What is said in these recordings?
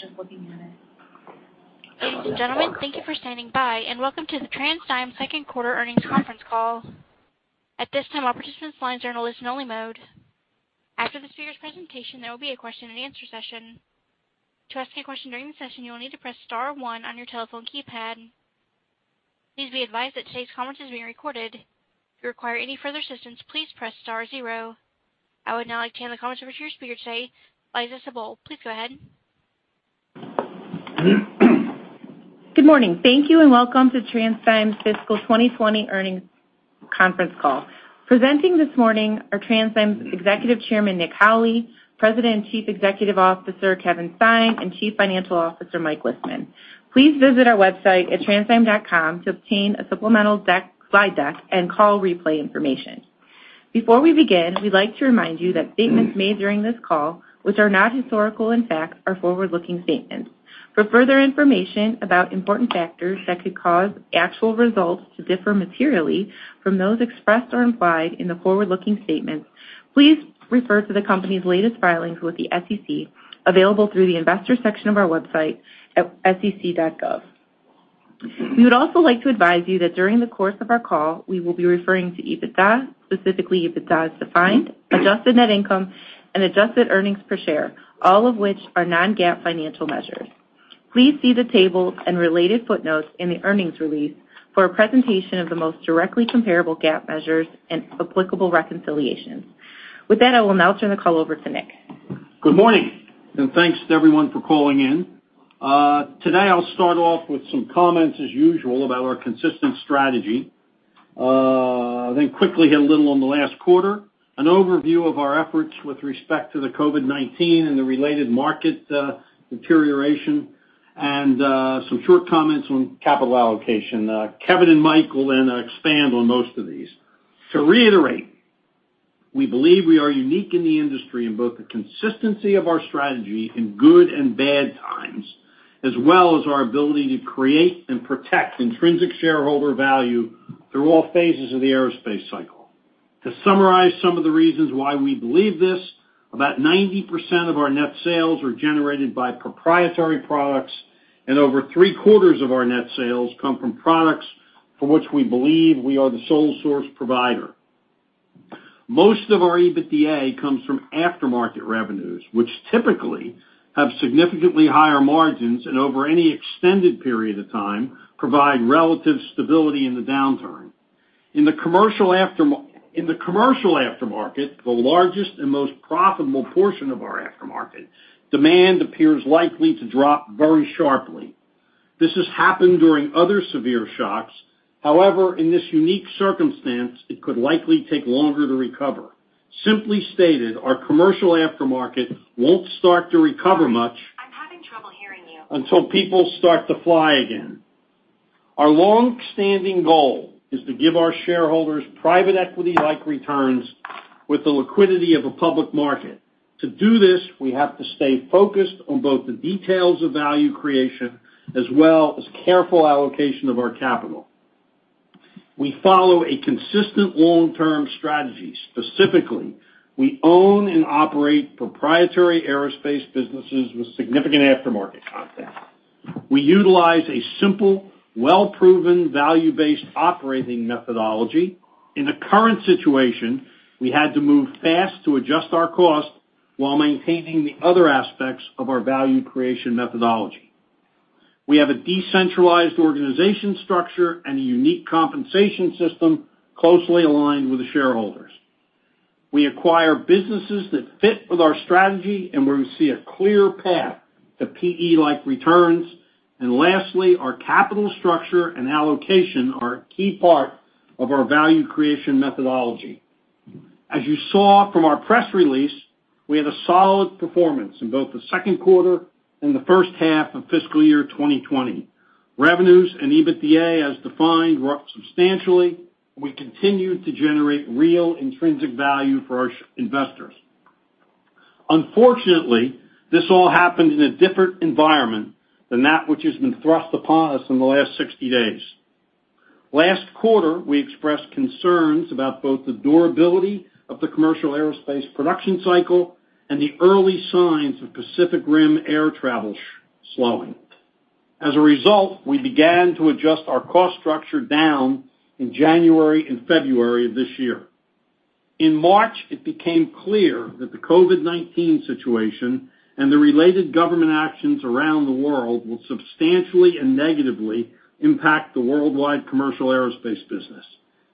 Ladies and gentlemen, thank you for standing by. Welcome to the TransDigm second quarter earnings conference call. At this time, all participants' lines are in a listen-only mode. After the speaker's presentation, there will be a question-and-answer session. To ask a question during the session, you will need to press star one on your telephone keypad. Please be advised that today's conference is being recorded. If you require any further assistance, please press star zero. I would now like to turn the conference over to your speaker today, Liza Sabol. Please go ahead. Good morning. Thank you and welcome to TransDigm's fiscal 2020 earnings conference call. Presenting this morning are TransDigm's Executive Chairman, Nick Howley, President and Chief Executive Officer, Kevin Stein, and Chief Financial Officer, Mike Lisman. Please visit our website at transdigm.com to obtain a supplemental deck, slide deck, and call replay information. Before we begin, we'd like to remind you that statements made during this call, which are not historical in fact, are forward-looking statements. For further information about important factors that could cause actual results to differ materially from those expressed or implied in the forward-looking statements, please refer to the company's latest filings with the SEC, available through the investors section of our website at sec.gov. We would also like to advise you that during the course of our call, we will be referring to EBITDA, specifically EBITDA as defined, adjusted net income, and adjusted earnings per share, all of which are non-GAAP financial measures. Please see the table and related footnotes in the earnings release for a presentation of the most directly comparable GAAP measures and applicable reconciliations. With that, I will now turn the call over to Nick. Good morning, thanks to everyone for calling in. Today I'll start off with some comments, as usual, about our consistent strategy. Quickly hit a little on the last quarter, an overview of our efforts with respect to the COVID-19 and the related market deterioration, and some short comments on capital allocation. Kevin and Mike will then expand on most of these. To reiterate, we believe we are unique in the industry in both the consistency of our strategy in good and bad times, as well as our ability to create and protect intrinsic shareholder value through all phases of the aerospace cycle. To summarize some of the reasons why we believe this, about 90% of our net sales are generated by proprietary products, and over three-quarters of our net sales come from products for which we believe we are the sole source provider. Most of our EBITDA comes from aftermarket revenues, which typically have significantly higher margins and over any extended period of time, provide relative stability in the downturn. In the commercial aftermarket, the largest and most profitable portion of our aftermarket, demand appears likely to drop very sharply. This has happened during other severe shocks. However, in this unique circumstance, it could likely take longer to recover. Simply stated, our commercial aftermarket won't start to recover much- I'm having trouble hearing you. Until people start to fly again. Our long-standing goal is to give our shareholders private equity-like returns with the liquidity of a public market. To do this, we have to stay focused on both the details of value creation as well as careful allocation of our capital. We follow a consistent long-term strategy. Specifically, we own and operate proprietary aerospace businesses with significant aftermarket content. We utilize a simple, well-proven, value-based operating methodology. In the current situation, we had to move fast to adjust our cost while maintaining the other aspects of our value creation methodology. We have a decentralized organization structure and a unique compensation system closely aligned with the shareholders. We acquire businesses that fit with our strategy and where we see a clear path to PE-like returns. Lastly, our capital structure and allocation are a key part of our value creation methodology. As you saw from our press release, we had a solid performance in both the second quarter and the first half of fiscal year 2020. Revenues and EBITDA as defined were up substantially. We continued to generate real intrinsic value for our investors. Unfortunately, this all happened in a different environment than that which has been thrust upon us in the last 60 days. Last quarter, we expressed concerns about both the durability of the commercial aerospace production cycle and the early signs of Pacific Rim air travel slowing. As a result, we began to adjust our cost structure down in January and February of this year. In March, it became clear that the COVID-19 situation and the related government actions around the world will substantially and negatively impact the worldwide commercial aerospace business.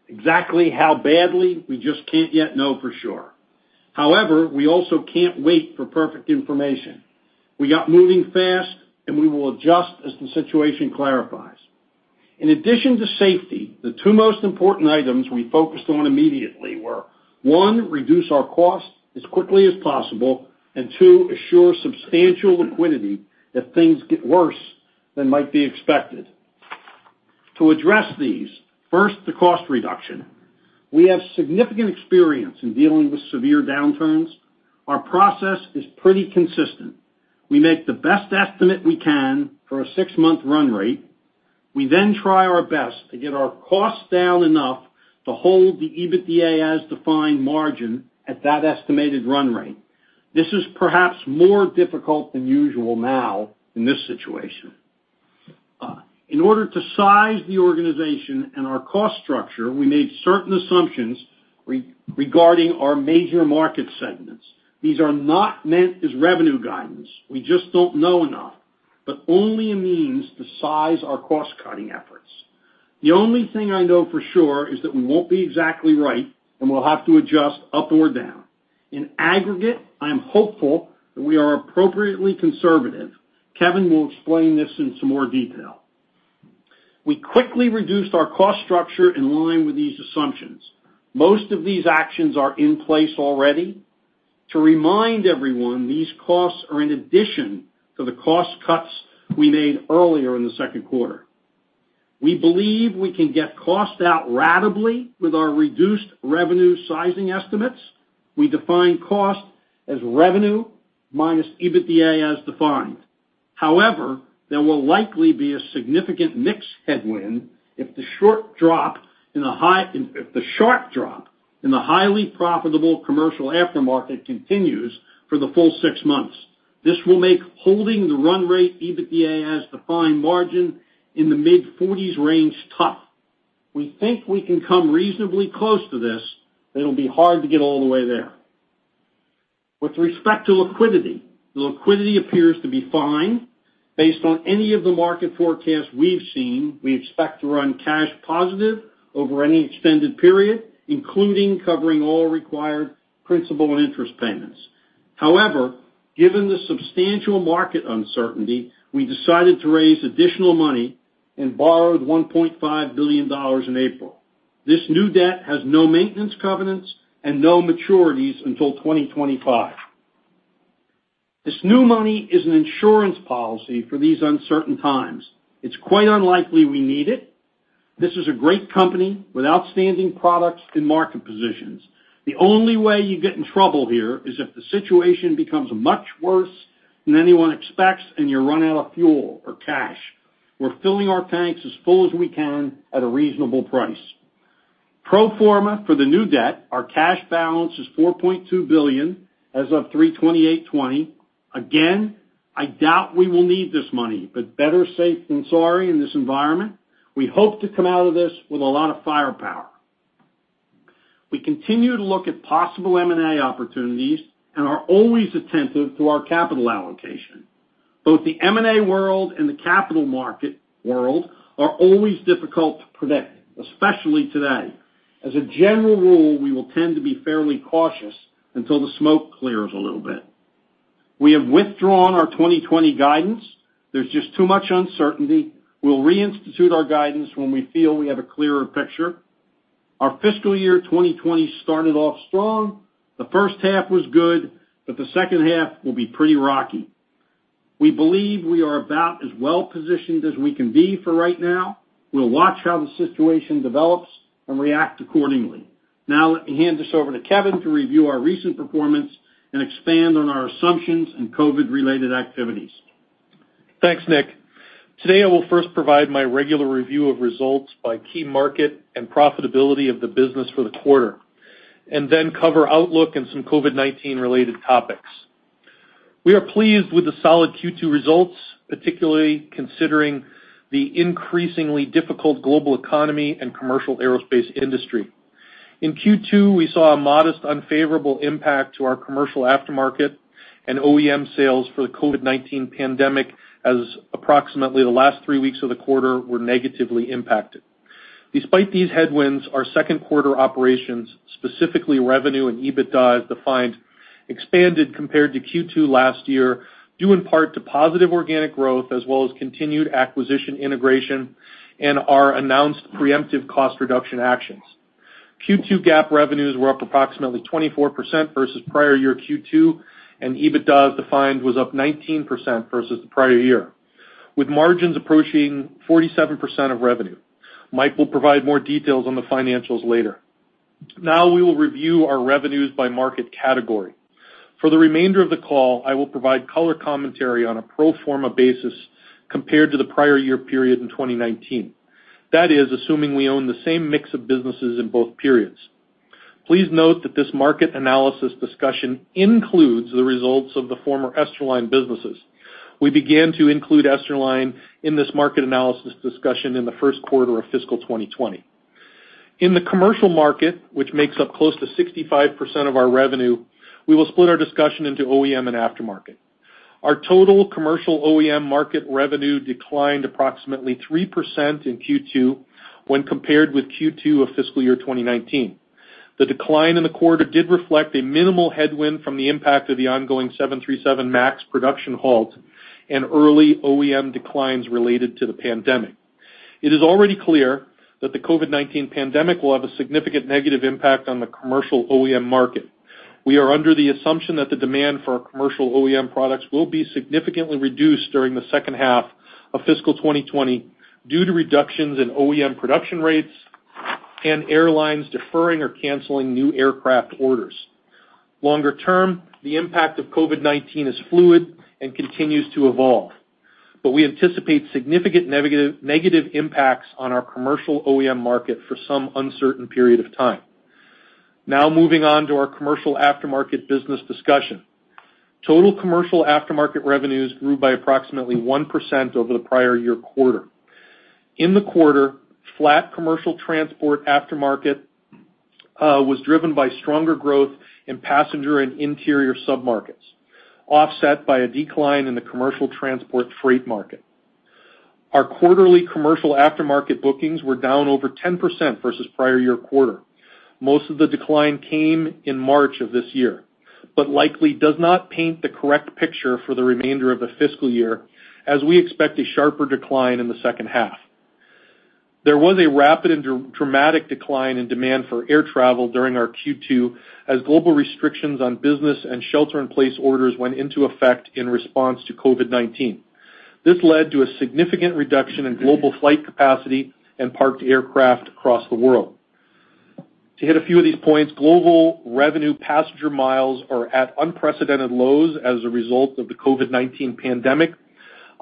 Exactly how badly, we just can't yet know for sure. However, we also can't wait for perfect information. We got moving fast, and we will adjust as the situation clarifies. In addition to safety, the two most important items we focused on immediately were, one, reduce our cost as quickly as possible, and two, assure substantial liquidity if things get worse than might be expected. To address these, first, the cost reduction. We have significant experience in dealing with severe downturns. Our process is pretty consistent. We make the best estimate we can for a six-month run rate. We then try our best to get our costs down enough to hold the EBITDA as defined margin at that estimated run rate. This is perhaps more difficult than usual now in this situation. In order to size the organization and our cost structure, we made certain assumptions regarding our major market segments. These are not meant as revenue guidance. We just don't know enough, only a means to size our cost-cutting efforts. The only thing I know for sure is that we won't be exactly right, and we'll have to adjust up or down. In aggregate, I'm hopeful that we are appropriately conservative. Kevin will explain this in some more detail. We quickly reduced our cost structure in line with these assumptions. Most of these actions are in place already. To remind everyone, these costs are in addition to the cost cuts we made earlier in the second quarter. We believe we can get costs out ratably with our reduced revenue sizing estimates. We define cost as revenue minus EBITDA as defined. There will likely be a significant mix headwind if the sharp drop in the highly profitable commercial aftermarket continues for the full six months. This will make holding the run rate EBITDA as defined margin in the mid-forties range tough. We think we can come reasonably close to this, but it'll be hard to get all the way there. With respect to liquidity, the liquidity appears to be fine. Based on any of the market forecasts we've seen, we expect to run cash positive over any extended period, including covering all required principal and interest payments. Given the substantial market uncertainty, we decided to raise additional money and borrowed $1.5 billion in April. This new debt has no maintenance covenants and no maturities until 2025. This new money is an insurance policy for these uncertain times. It's quite unlikely we need it. This is a great company with outstanding products and market positions. The only way you get in trouble here is if the situation becomes much worse than anyone expects and you run out of fuel or cash. We're filling our tanks as full as we can at a reasonable price. Pro forma for the new debt, our cash balance is $4.2 billion as of 3/28/2020. Again, I doubt we will need this money, but better safe than sorry in this environment. We hope to come out of this with a lot of firepower. We continue to look at possible M&A opportunities and are always attentive to our capital allocation. Both the M&A world and the capital market world are always difficult to predict, especially today. As a general rule, we will tend to be fairly cautious until the smoke clears a little bit. We have withdrawn our 2020 guidance. There's just too much uncertainty. We'll reinstitute our guidance when we feel we have a clearer picture. Our fiscal year 2020 started off strong. The first half was good, but the second half will be pretty rocky. We believe we are about as well-positioned as we can be for right now. We'll watch how the situation develops and react accordingly. Let me hand this over to Kevin to review our recent performance and expand on our assumptions and COVID-related activities. Thanks, Nick. Today, I will first provide my regular review of results by key market and profitability of the business for the quarter, and then cover outlook and some COVID-19 related topics. We are pleased with the solid Q2 results, particularly considering the increasingly difficult global economy and commercial aerospace industry. In Q2, we saw a modest unfavorable impact to our commercial aftermarket and OEM sales for the COVID-19 pandemic as approximately the last three weeks of the quarter were negatively impacted. Despite these headwinds, our second quarter operations, specifically revenue and EBITDA as defined, expanded compared to Q2 last year, due in part to positive organic growth as well as continued acquisition integration and our announced preemptive cost reduction actions. Q2 GAAP revenues were up approximately 24% versus prior year Q2, and EBITDA as defined was up 19% versus the prior year, with margins approaching 47% of revenue. Mike will provide more details on the financials later. Now we will review our revenues by market category. For the remainder of the call, I will provide color commentary on a pro forma basis compared to the prior year period in 2019. That is, assuming we own the same mix of businesses in both periods. Please note that this market analysis discussion includes the results of the former Esterline businesses. We began to include Esterline in this market analysis discussion in the first quarter of fiscal 2020. In the commercial market, which makes up close to 65% of our revenue, we will split our discussion into OEM and aftermarket. Our total commercial OEM market revenue declined approximately 3% in Q2 when compared with Q2 of fiscal year 2019. The decline in the quarter did reflect a minimal headwind from the impact of the ongoing 737 MAX production halt and early OEM declines related to the pandemic. It is already clear that the COVID-19 pandemic will have a significant negative impact on the commercial OEM market. We are under the assumption that the demand for our commercial OEM products will be significantly reduced during the second half of fiscal 2020 due to reductions in OEM production rates and airlines deferring or canceling new aircraft orders. Longer term, the impact of COVID-19 is fluid and continues to evolve, but we anticipate significant negative impacts on our commercial OEM market for some uncertain period of time. Now moving on to our commercial aftermarket business discussion. Total commercial aftermarket revenues grew by approximately 1% over the prior year quarter. In the quarter, flat commercial transport aftermarket was driven by stronger growth in passenger and interior submarkets, offset by a decline in the commercial transport freight market. Our quarterly commercial aftermarket bookings were down over 10% versus prior year quarter. Most of the decline came in March of this year, but likely does not paint the correct picture for the remainder of the fiscal year, as we expect a sharper decline in the second half. There was a rapid and dramatic decline in demand for air travel during our Q2, as global restrictions on business and shelter-in-place orders went into effect in response to COVID-19. This led to a significant reduction in global flight capacity and parked aircraft across the world. To hit a few of these points, global revenue passenger miles are at unprecedented lows as a result of the COVID-19 pandemic.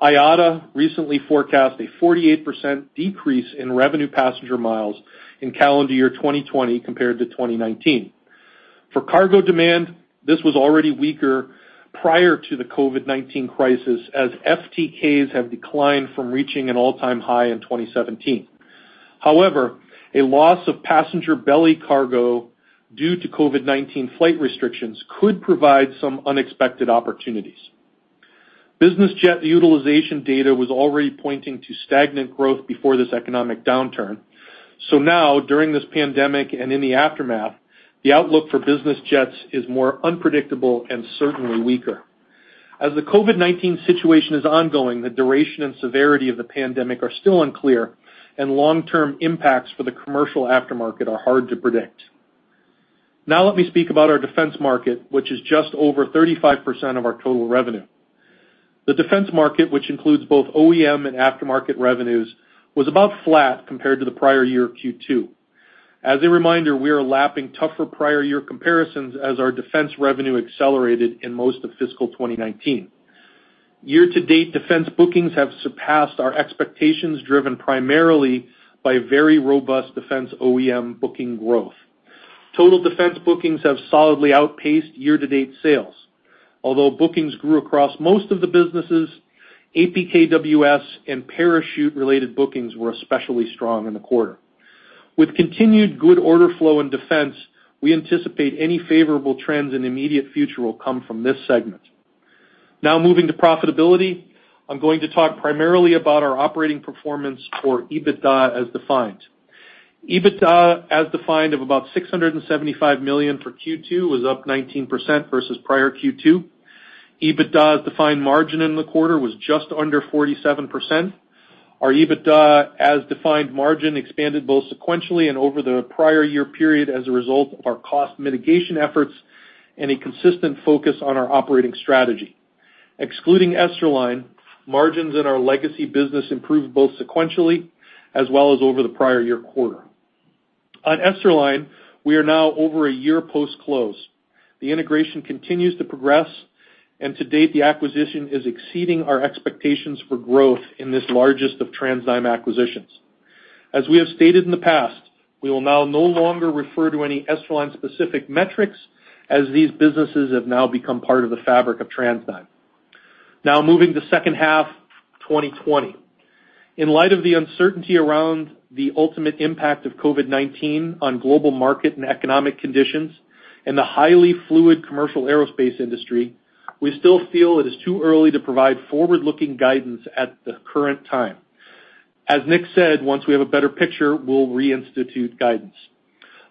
IATA recently forecast a 48% decrease in revenue passenger miles in calendar year 2020 compared to 2019. For cargo demand, this was already weaker prior to the COVID-19 crisis, as FTKs have declined from reaching an all-time high in 2017. A loss of passenger belly cargo due to COVID-19 flight restrictions could provide some unexpected opportunities. Business jet utilization data was already pointing to stagnant growth before this economic downturn. Now, during this pandemic and in the aftermath, the outlook for business jets is more unpredictable and certainly weaker. As the COVID-19 situation is ongoing, the duration and severity of the pandemic are still unclear, and long-term impacts for the commercial aftermarket are hard to predict. Now let me speak about our defense market, which is just over 35% of our total revenue. The defense market, which includes both OEM and aftermarket revenues, was about flat compared to the prior year Q2. As a reminder, we are lapping tougher prior year comparisons as our defense revenue accelerated in most of fiscal 2019. Year-to-date, defense bookings have surpassed our expectations, driven primarily by very robust defense OEM booking growth. Total defense bookings have solidly outpaced year-to-date sales. Although bookings grew across most of the businesses, APKWS and parachute-related bookings were especially strong in the quarter. With continued good order flow in defense, we anticipate any favorable trends in the immediate future will come from this segment. Now moving to profitability, I'm going to talk primarily about our operating performance for EBITDA as defined. EBITDA as defined of about $675 million for Q2 was up 19% versus prior Q2. EBITDA as defined margin in the quarter was just under 47%. Our EBITDA as defined margin expanded both sequentially and over the prior year period as a result of our cost mitigation efforts and a consistent focus on our operating strategy. Excluding Esterline, margins in our legacy business improved both sequentially as well as over the prior year quarter. On Esterline, we are now over a year post-close. The integration continues to progress, and to date, the acquisition is exceeding our expectations for growth in this largest of TransDigm acquisitions. As we have stated in the past, we will now no longer refer to any Esterline-specific metrics as these businesses have now become part of the fabric of TransDigm. Now moving to second half 2020. In light of the uncertainty around the ultimate impact of COVID-19 on global market and economic conditions and the highly fluid commercial aerospace industry, we still feel it is too early to provide forward-looking guidance at the current time. As Nick said, once we have a better picture, we'll reinstitute guidance.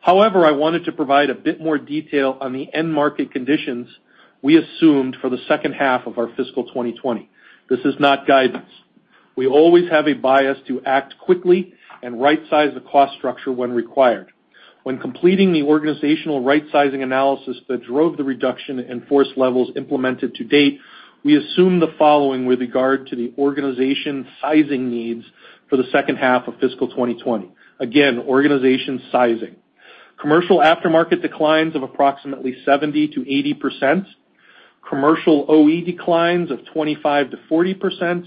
I wanted to provide a bit more detail on the end market conditions we assumed for the second half of our fiscal 2020. This is not guidance. We always have a bias to act quickly and right-size the cost structure when required. When completing the organizational right-sizing analysis that drove the reduction in force levels implemented to date, we assume the following with regard to the organization sizing needs for the second half of fiscal 2020. Again, organization sizing. Commercial aftermarket declines of approximately 70%-80%, commercial OE declines of 25%-40%,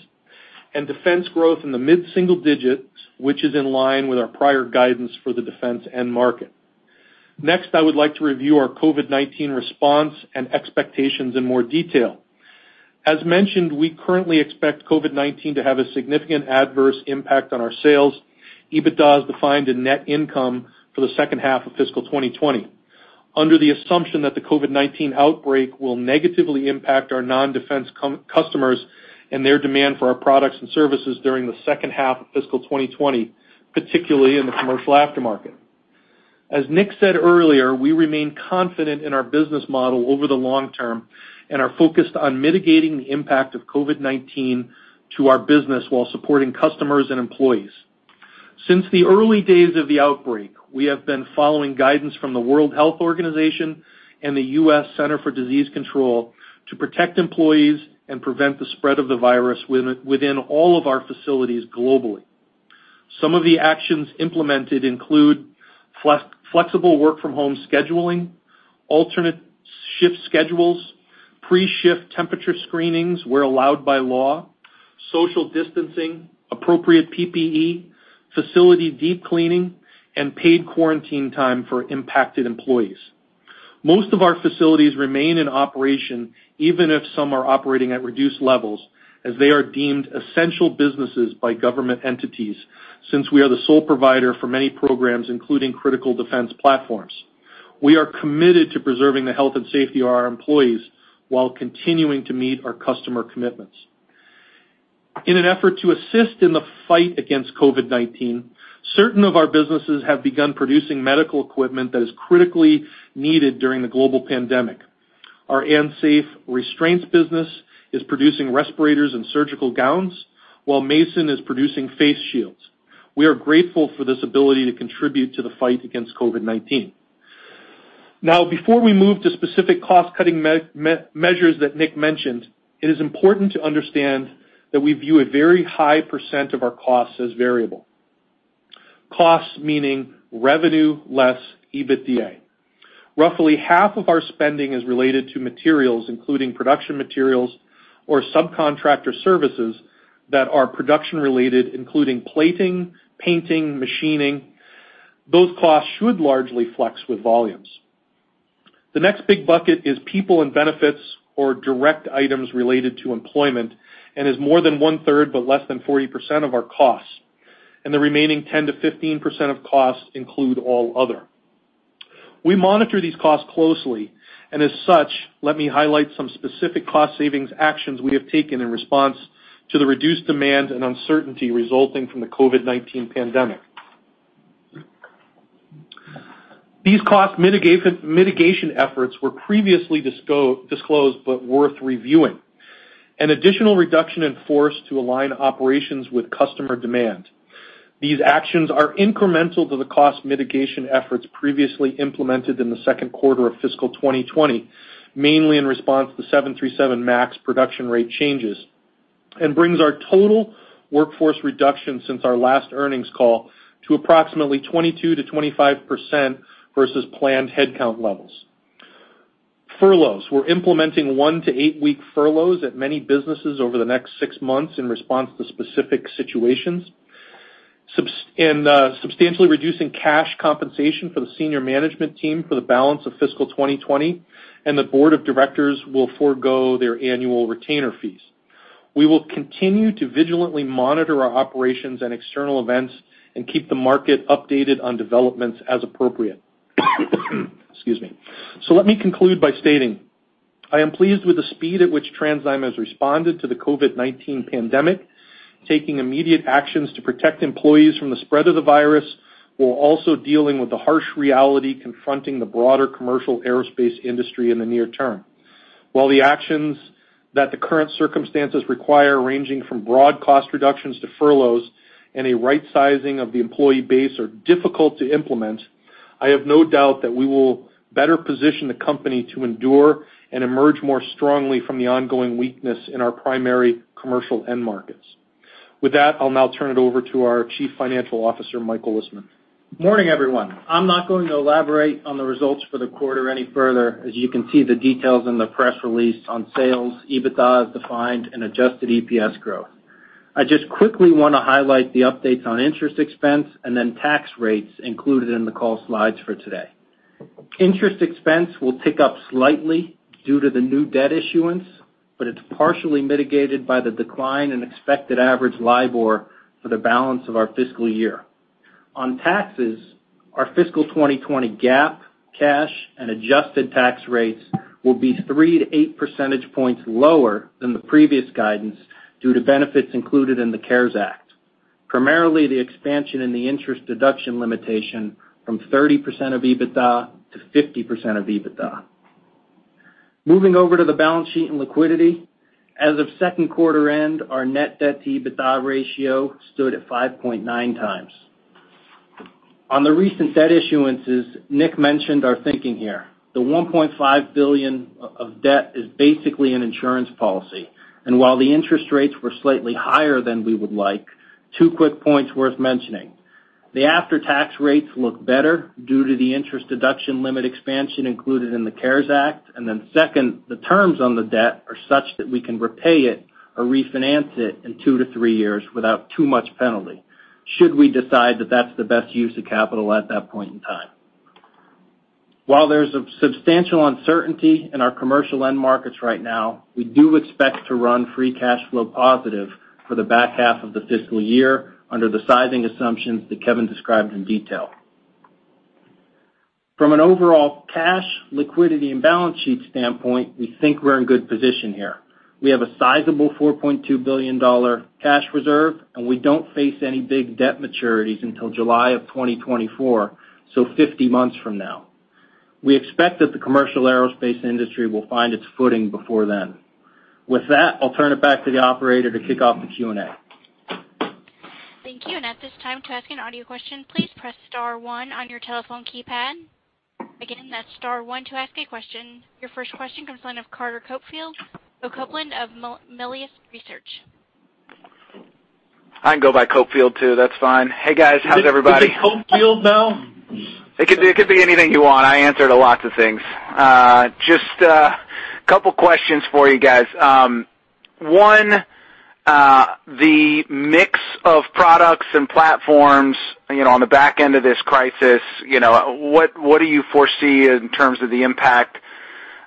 and defense growth in the mid-single digits, which is in line with our prior guidance for the defense end market. I would like to review our COVID-19 response and expectations in more detail. As mentioned, we currently expect COVID-19 to have a significant adverse impact on our sales, EBITDA as defined in net income for the second half of fiscal 2020. Under the assumption that the COVID-19 outbreak will negatively impact our non-defense customers and their demand for our products and services during the second half of fiscal 2020, particularly in the commercial aftermarket. As Nick said earlier, we remain confident in our business model over the long term and are focused on mitigating the impact of COVID-19 to our business while supporting customers and employees. Since the early days of the outbreak, we have been following guidance from the World Health Organization and the Centers for Disease Control and Prevention to protect employees and prevent the spread of the virus within all of our facilities globally. Some of the actions implemented include flexible work from home scheduling, alternate shift schedules, pre-shift temperature screenings where allowed by law, social distancing, appropriate PPE, facility deep cleaning, and paid quarantine time for impacted employees. Most of our facilities remain in operation, even if some are operating at reduced levels, as they are deemed essential businesses by government entities since we are the sole provider for many programs, including critical defense platforms. We are committed to preserving the health and safety of our employees while continuing to meet our customer commitments. In an effort to assist in the fight against COVID-19, certain of our businesses have begun producing medical equipment that is critically needed during the global pandemic. Our AmSafe Restraints business is producing respirators and surgical gowns, while Mason is producing face shields. We are grateful for this ability to contribute to the fight against COVID-19. Now, before we move to specific cost-cutting measures that Nick mentioned, it is important to understand that we view a very high % of our costs as variable. Costs meaning revenue less EBITDA. Roughly half of our spending is related to materials, including production materials or subcontractor services that are production-related, including plating, painting, machining. Those costs should largely flex with volumes. The next big bucket is people and benefits or direct items related to employment, and is more than 1/3, but less than 40% of our costs, and the remaining 10%-15% of costs include all other. We monitor these costs closely. As such, let me highlight some specific cost savings actions we have taken in response to the reduced demand and uncertainty resulting from the COVID-19 pandemic. These cost mitigation efforts were previously disclosed, but worth reviewing. An additional reduction in force to align operations with customer demand. These actions are incremental to the cost mitigation efforts previously implemented in the second quarter of fiscal 2020, mainly in response to the 737 MAX production rate changes, and brings our total workforce reduction since our last earnings call to approximately 22%-25% versus planned headcount levels. Furloughs. We're implementing one to eight-week furloughs at many businesses over the next six months in response to specific situations. Substantially reducing cash compensation for the senior management team for the balance of fiscal 2020, and the board of directors will forego their annual retainer fees. We will continue to vigilantly monitor our operations and external events and keep the market updated on developments as appropriate. Excuse me. Let me conclude by stating, I am pleased with the speed at which TransDigm has responded to the COVID-19 pandemic, taking immediate actions to protect employees from the spread of the virus, while also dealing with the harsh reality confronting the broader commercial aerospace industry in the near term. While the actions that the current circumstances require, ranging from broad cost reductions to furloughs and a right sizing of the employee base are difficult to implement, I have no doubt that we will better position the company to endure and emerge more strongly from the ongoing weakness in our primary commercial end markets. With that, I'll now turn it over to our Chief Financial Officer, Mike Lisman. Morning, everyone. I'm not going to elaborate on the results for the quarter any further, as you can see the details in the press release on sales, EBITDA as defined, and Adjusted EPS growth. I just quickly wanna highlight the updates on interest expense and then tax rates included in the call slides for today. Interest expense will tick up slightly due to the new debt issuance, but it's partially mitigated by the decline in expected average LIBOR for the balance of our fiscal year. On taxes, our fiscal 2020 GAAP, cash, and Adjusted tax rates will be 3 to 8 percentage points lower than the previous guidance due to benefits included in the CARES Act, primarily the expansion in the interest deduction limitation from 30% of EBITDA to 50% of EBITDA. Moving over to the balance sheet and liquidity, as of second quarter end, our net debt-to-EBITDA ratio stood at 5.9x. On the recent debt issuances, Nick mentioned our thinking here. The $1.5 billion of debt is basically an insurance policy. While the interest rates were slightly higher than we would like, two quick points worth mentioning. The after-tax rates look better due to the interest deduction limit expansion included in the CARES Act. Second, the terms on the debt are such that we can repay it or refinance it in two to three years without too much penalty should we decide that that's the best use of capital at that point in time. While there's a substantial uncertainty in our commercial end markets right now, we do expect to run free cash flow positive for the back half of the fiscal year under the sizing assumptions that Kevin described in detail. From an overall cash, liquidity, and balance sheet standpoint, we think we're in good position here. We have a sizable $4.2 billion cash reserve. We don't face any big debt maturities until July of 2024, so 50 months from now. We expect that the commercial aerospace industry will find its footing before then. With that, I'll turn it back to the operator to kick off the Q&A. Thank you. At this time, to ask an audio question, please press star one on your telephone keypad. Again, that's star one to ask a question. Your first question comes line of Carter Copeland of Melius Research. I can go by Copeland too. That's fine. Hey, guys. How's everybody? Did he Carter Copeland now? It could be anything you want. I answer to lots of things. Just couple questions for you guys. One, the mix of products and platforms, you know, on the back end of this crisis, you know, what do you foresee in terms of the impact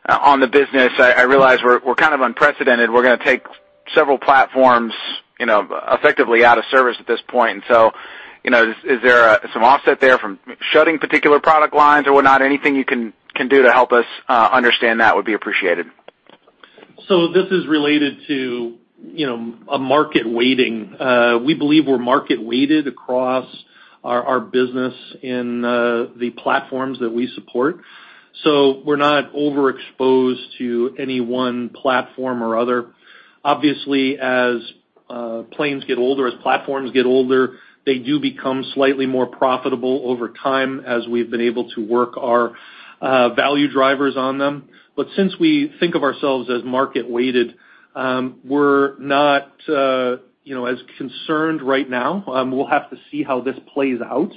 on the business? I realize we're kind of unprecedented. We're gonna take several platforms, you know, effectively out of service at this point. You know, is there some offset there from shutting particular product lines or whatnot? Anything you can do to help us understand that would be appreciated. This is related to, you know, a market weighting. We believe we're market weighted across our business in the platforms that we support. We're not overexposed to any one platform or other. Obviously, as planes get older, as platforms get older, they do become slightly more profitable over time as we've been able to work our value drivers on them. Since we think of ourselves as market weighted, we're not, you know, as concerned right now. We'll have to see how this plays out.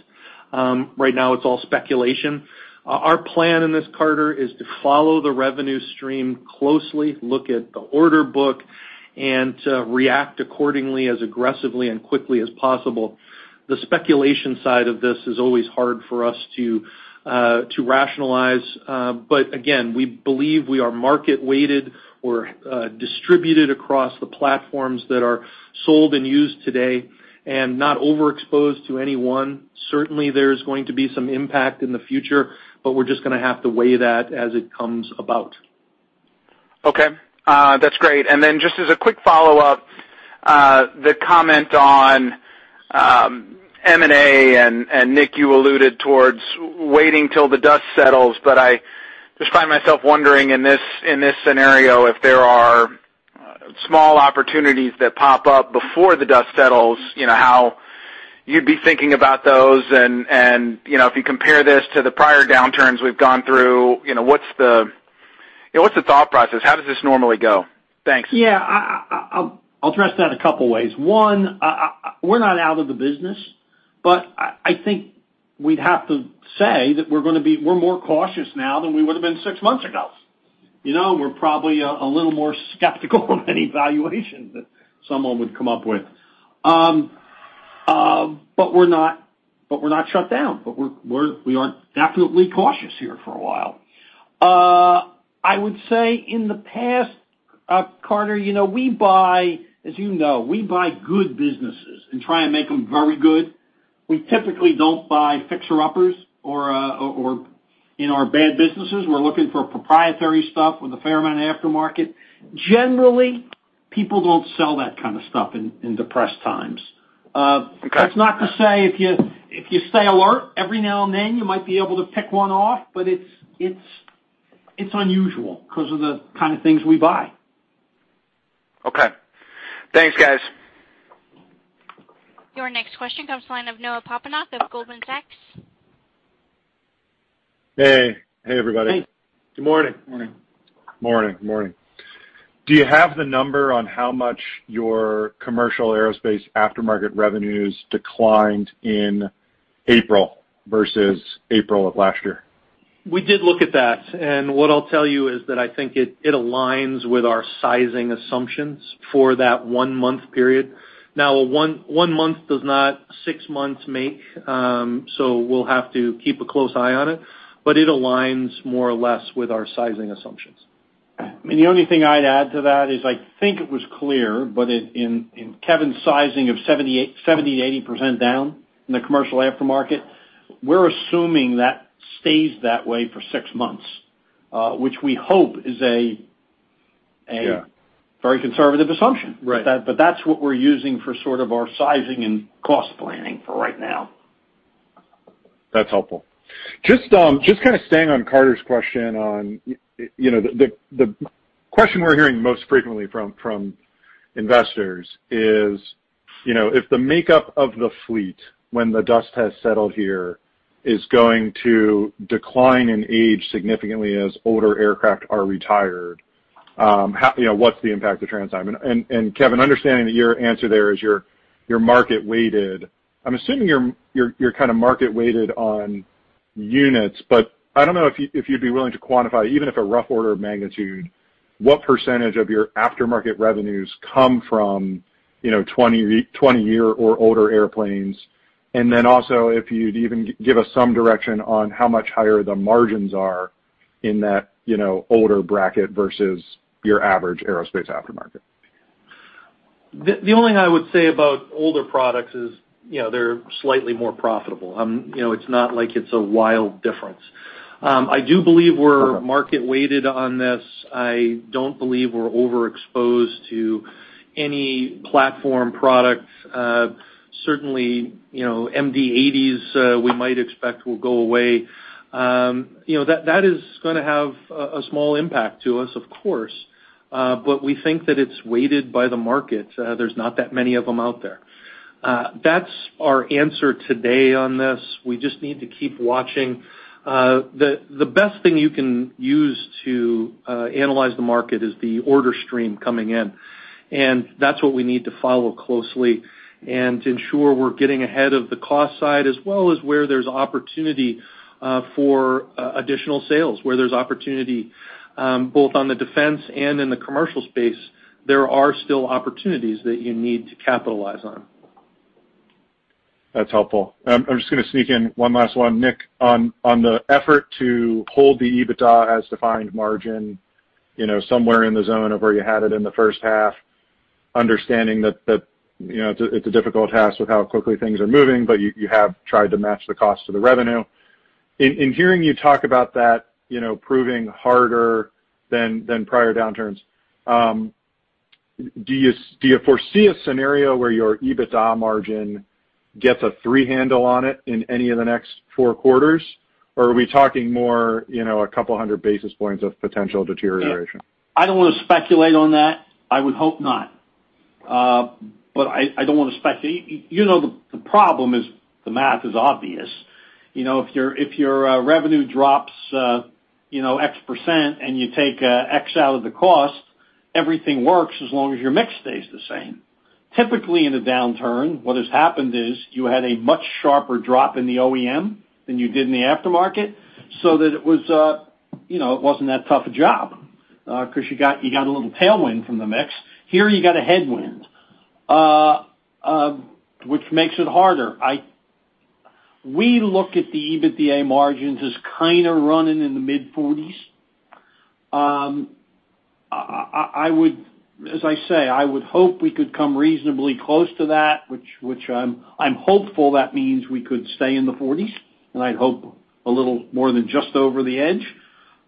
Right now it's all speculation. Our plan in this, Carter, is to follow the revenue stream closely, look at the order book, and react accordingly as aggressively and quickly as possible. The speculation side of this is always hard for us to rationalize. Again, we believe we are market weighted. We're distributed across the platforms that are sold and used today and not overexposed to any one. Certainly, there's going to be some impact in the future, but we're just gonna have to weigh that as it comes about. Okay. That's great. Just as a quick follow-up, the comment on M&A, and Nick, you alluded towards waiting till the dust settles, but I just find myself wondering in this, in this scenario, if there are small opportunities that pop up before the dust settles, you know, how you'd be thinking about those and, you know, if you compare this to the prior downturns we've gone through, you know, what's the, you know, what's the thought process? How does this normally go? Thanks. Yeah. I'll address that a couple ways. One, we're not out of the business, but I think we'd have to say that we're gonna be more cautious now than we would've been six months ago. You know, we're probably a little more skeptical of any valuation that someone would come up with. We're not shut down. We are definitely cautious here for a while. I would say in the past, Carter Copeland, you know, we buy, as you know, good businesses and try and make them very good. We typically don't buy fixer-uppers or, you know, bad businesses. We're looking for proprietary stuff with a fair amount of aftermarket. Generally, people don't sell that kind of stuff in depressed times. Okay. That's not to say if you stay alert, every now and then you might be able to pick one off, but it's unusual 'cause of the kind of things we buy. Okay. Thanks, guys. Your next question comes the line of Noah Poponak of Goldman Sachs. Hey. Hey, everybody. Hey. Good morning. Morning. Morning. Morning. Do you have the number on how much your commercial aerospace aftermarket revenues declined in April versus April of last year? We did look at that. What I'll tell you is that I think it aligns with our sizing assumptions for that one-month period. Now, one month does not six months make, so we'll have to keep a close eye on it, but it aligns more or less with our sizing assumptions. The only thing I'd add to that is I think it was clear, but in Kevin's sizing of 70%-80% down in the commercial aftermarket, we're assuming that stays that way for six months, which we hope is a. Yeah Very conservative assumption. Right. That's what we're using for sort of our sizing and cost planning for right now. That's helpful. Just, just kinda staying on Carter's question on, you know, the question we're hearing most frequently from investors is, you know, if the makeup of the fleet when the dust has settled here is going to decline in age significantly as older aircraft are retired, how, you know, what's the impact to TransDigm? Kevin, understanding that your answer there is you're market weighted, I'm assuming you're kinda market weighted on units, but I don't know if you, if you'd be willing to quantify, even if a rough order of magnitude, what percentage of your aftermarket revenues come from, you know, 20-year or older airplanes. Also, if you'd even give us some direction on how much higher the margins are in that, you know, older bracket versus your average aerospace aftermarket. The only thing I would say about older products is, you know, they're slightly more profitable. You know, it's not like it's a wild difference. I do believe we're market weighted on this. I don't believe we're overexposed to any platform products. Certainly, you know, MD-80, we might expect will go away. You know, that is gonna have a small impact to us, of course. We think that it's weighted by the market. There's not that many of them out there. That's our answer today on this. We just need to keep watching. The best thing you can use to analyze the market is the order stream coming in, and that's what we need to follow closely and ensure we're getting ahead of the cost side as well as where there's opportunity for additional sales, where there's opportunity both on the defense and in the commercial space, there are still opportunities that you need to capitalize on. That's helpful. I'm just going to sneak in one last one. Nick, on the effort to hold the EBITDA as defined margin, you know, somewhere in the zone of where you had it in the first half, understanding that, you know, it's a difficult task with how quickly things are moving, but you have tried to match the cost to the revenue. In hearing you talk about that, you know, proving harder than prior downturns, do you foresee a scenario where your EBITDA margin gets a three handle on it in any of the next four quarters? Or are we talking more, you know, 200 basis points of potential deterioration? I don't wanna speculate on that. I would hope not. I don't wanna, you know, the problem is the math is obvious. You know, if your revenue drops, you know, X% and you take X out of the cost, everything works as long as your mix stays the same. Typically, in a downturn, what has happened is you had a much sharper drop in the OEM than you did in the aftermarket, it wasn't that tough a job 'cause you got a little tailwind from the mix. Here, you got a headwind. Which makes it harder. We look at the EBITDA margins as kinda running in the mid-40s. I would, as I say, I would hope we could come reasonably close to that, which I'm hopeful that means we could stay in the forties, and I'd hope a little more than just over the edge.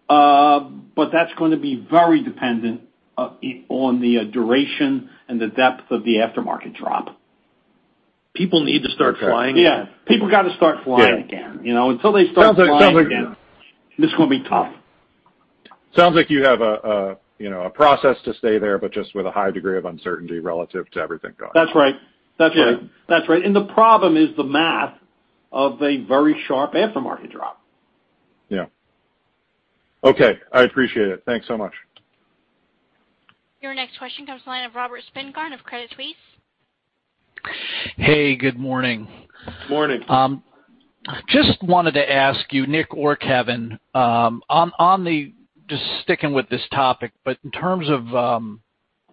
That's gonna be very dependent on the duration and the depth of the aftermarket drop. People need to start flying again. Yeah. People gotta start flying again. Yeah. You know, until they start flying again. Sounds like. It's gonna be tough. Sounds like you have a, you know, a process to stay there, but just with a high degree of uncertainty relative to everything going on. That's right. That's right. Yeah. That's right. The problem is the math of a very sharp aftermarket drop. Yeah. Okay, I appreciate it. Thanks so much. Your next question comes from the line of Robert Spingarn of Credit Suisse. Hey, good morning. Morning. Just wanted to ask you, Nick or Kevin, on the, just sticking with this topic, but in terms of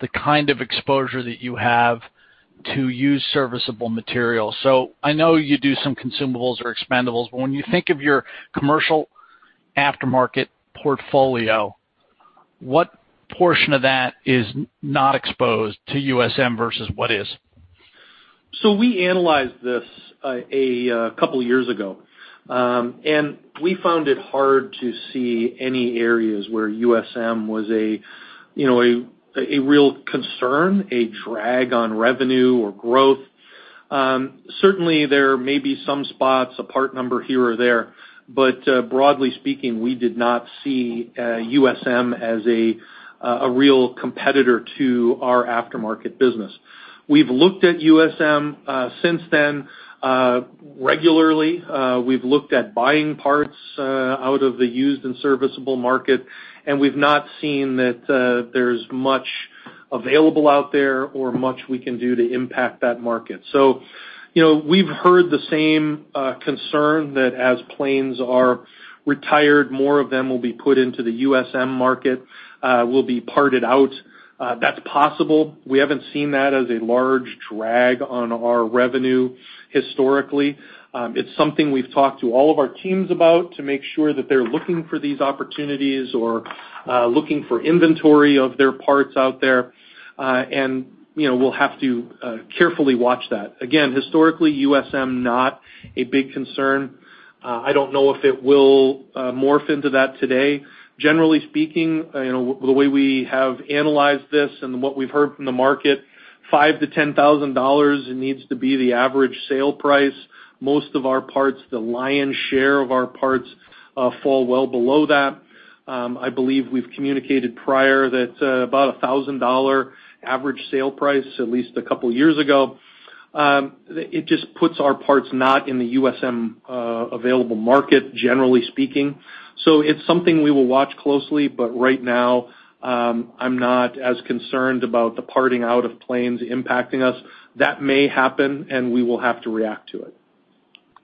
the kind of exposure that you have to used serviceable material. I know you do some consumables or expendables, but when you think of your commercial aftermarket portfolio, what portion of that is not exposed to USM versus what is? We analyzed this two years ago. We found it hard to see any areas where USM was, you know, a real concern, a drag on revenue or growth. Certainly there may be some spots, a part number here or there, but broadly speaking, we did not see USM as a real competitor to our aftermarket business. We've looked at USM since then regularly. We've looked at buying parts out of the used and serviceable market, and we've not seen that there's much available out there or much we can do to impact that market. You know, we've heard the same concern that as planes are retired, more of them will be put into the USM market, will be parted out. That's possible. We haven't seen that as a large drag on our revenue historically. It's something we've talked to all of our teams about to make sure that they're looking for these opportunities or looking for inventory of their parts out there. You know, we'll have to carefully watch that. Again, historically, USM not a big concern. I don't know if it will morph into that today. Generally speaking, you know, the way we have analyzed this and what we've heard from the market, $5,000-$10,000 needs to be the average sale price. Most of our parts, the lion's share of our parts, fall well below that. I believe we've communicated prior that about $1,000 average sale price, at least a couple years ago. It just puts our parts not in the USM available market, generally speaking. It's something we will watch closely, but right now, I'm not as concerned about the parting out of planes impacting us. That may happen, and we will have to react to it.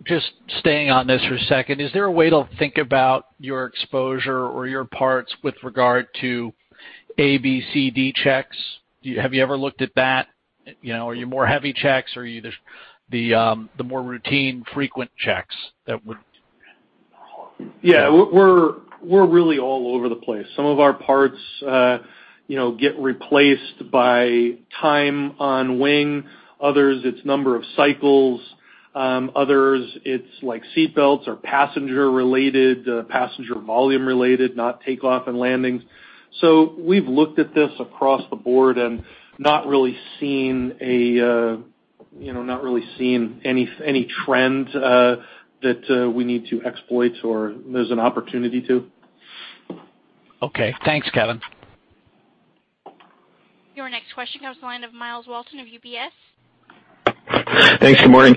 Just staying on this for a second, is there a way to think about your exposure or your parts with regard to A, B, C, D checks? Have you ever looked at that? You know, are you more heavy checks? Are you the more routine frequent checks that would? Yeah. We're really all over the place. Some of our parts, you know, get replaced by time on wing. Others, it's number of cycles. Others, it's like seat belts or passenger related, passenger volume related, not takeoff and landings. We've looked at this across the board and not really seeing any trend that we need to exploit or there's an opportunity to. Okay. Thanks, Kevin. Your next question comes the line of Myles Walton of UBS. Thanks. Good morning.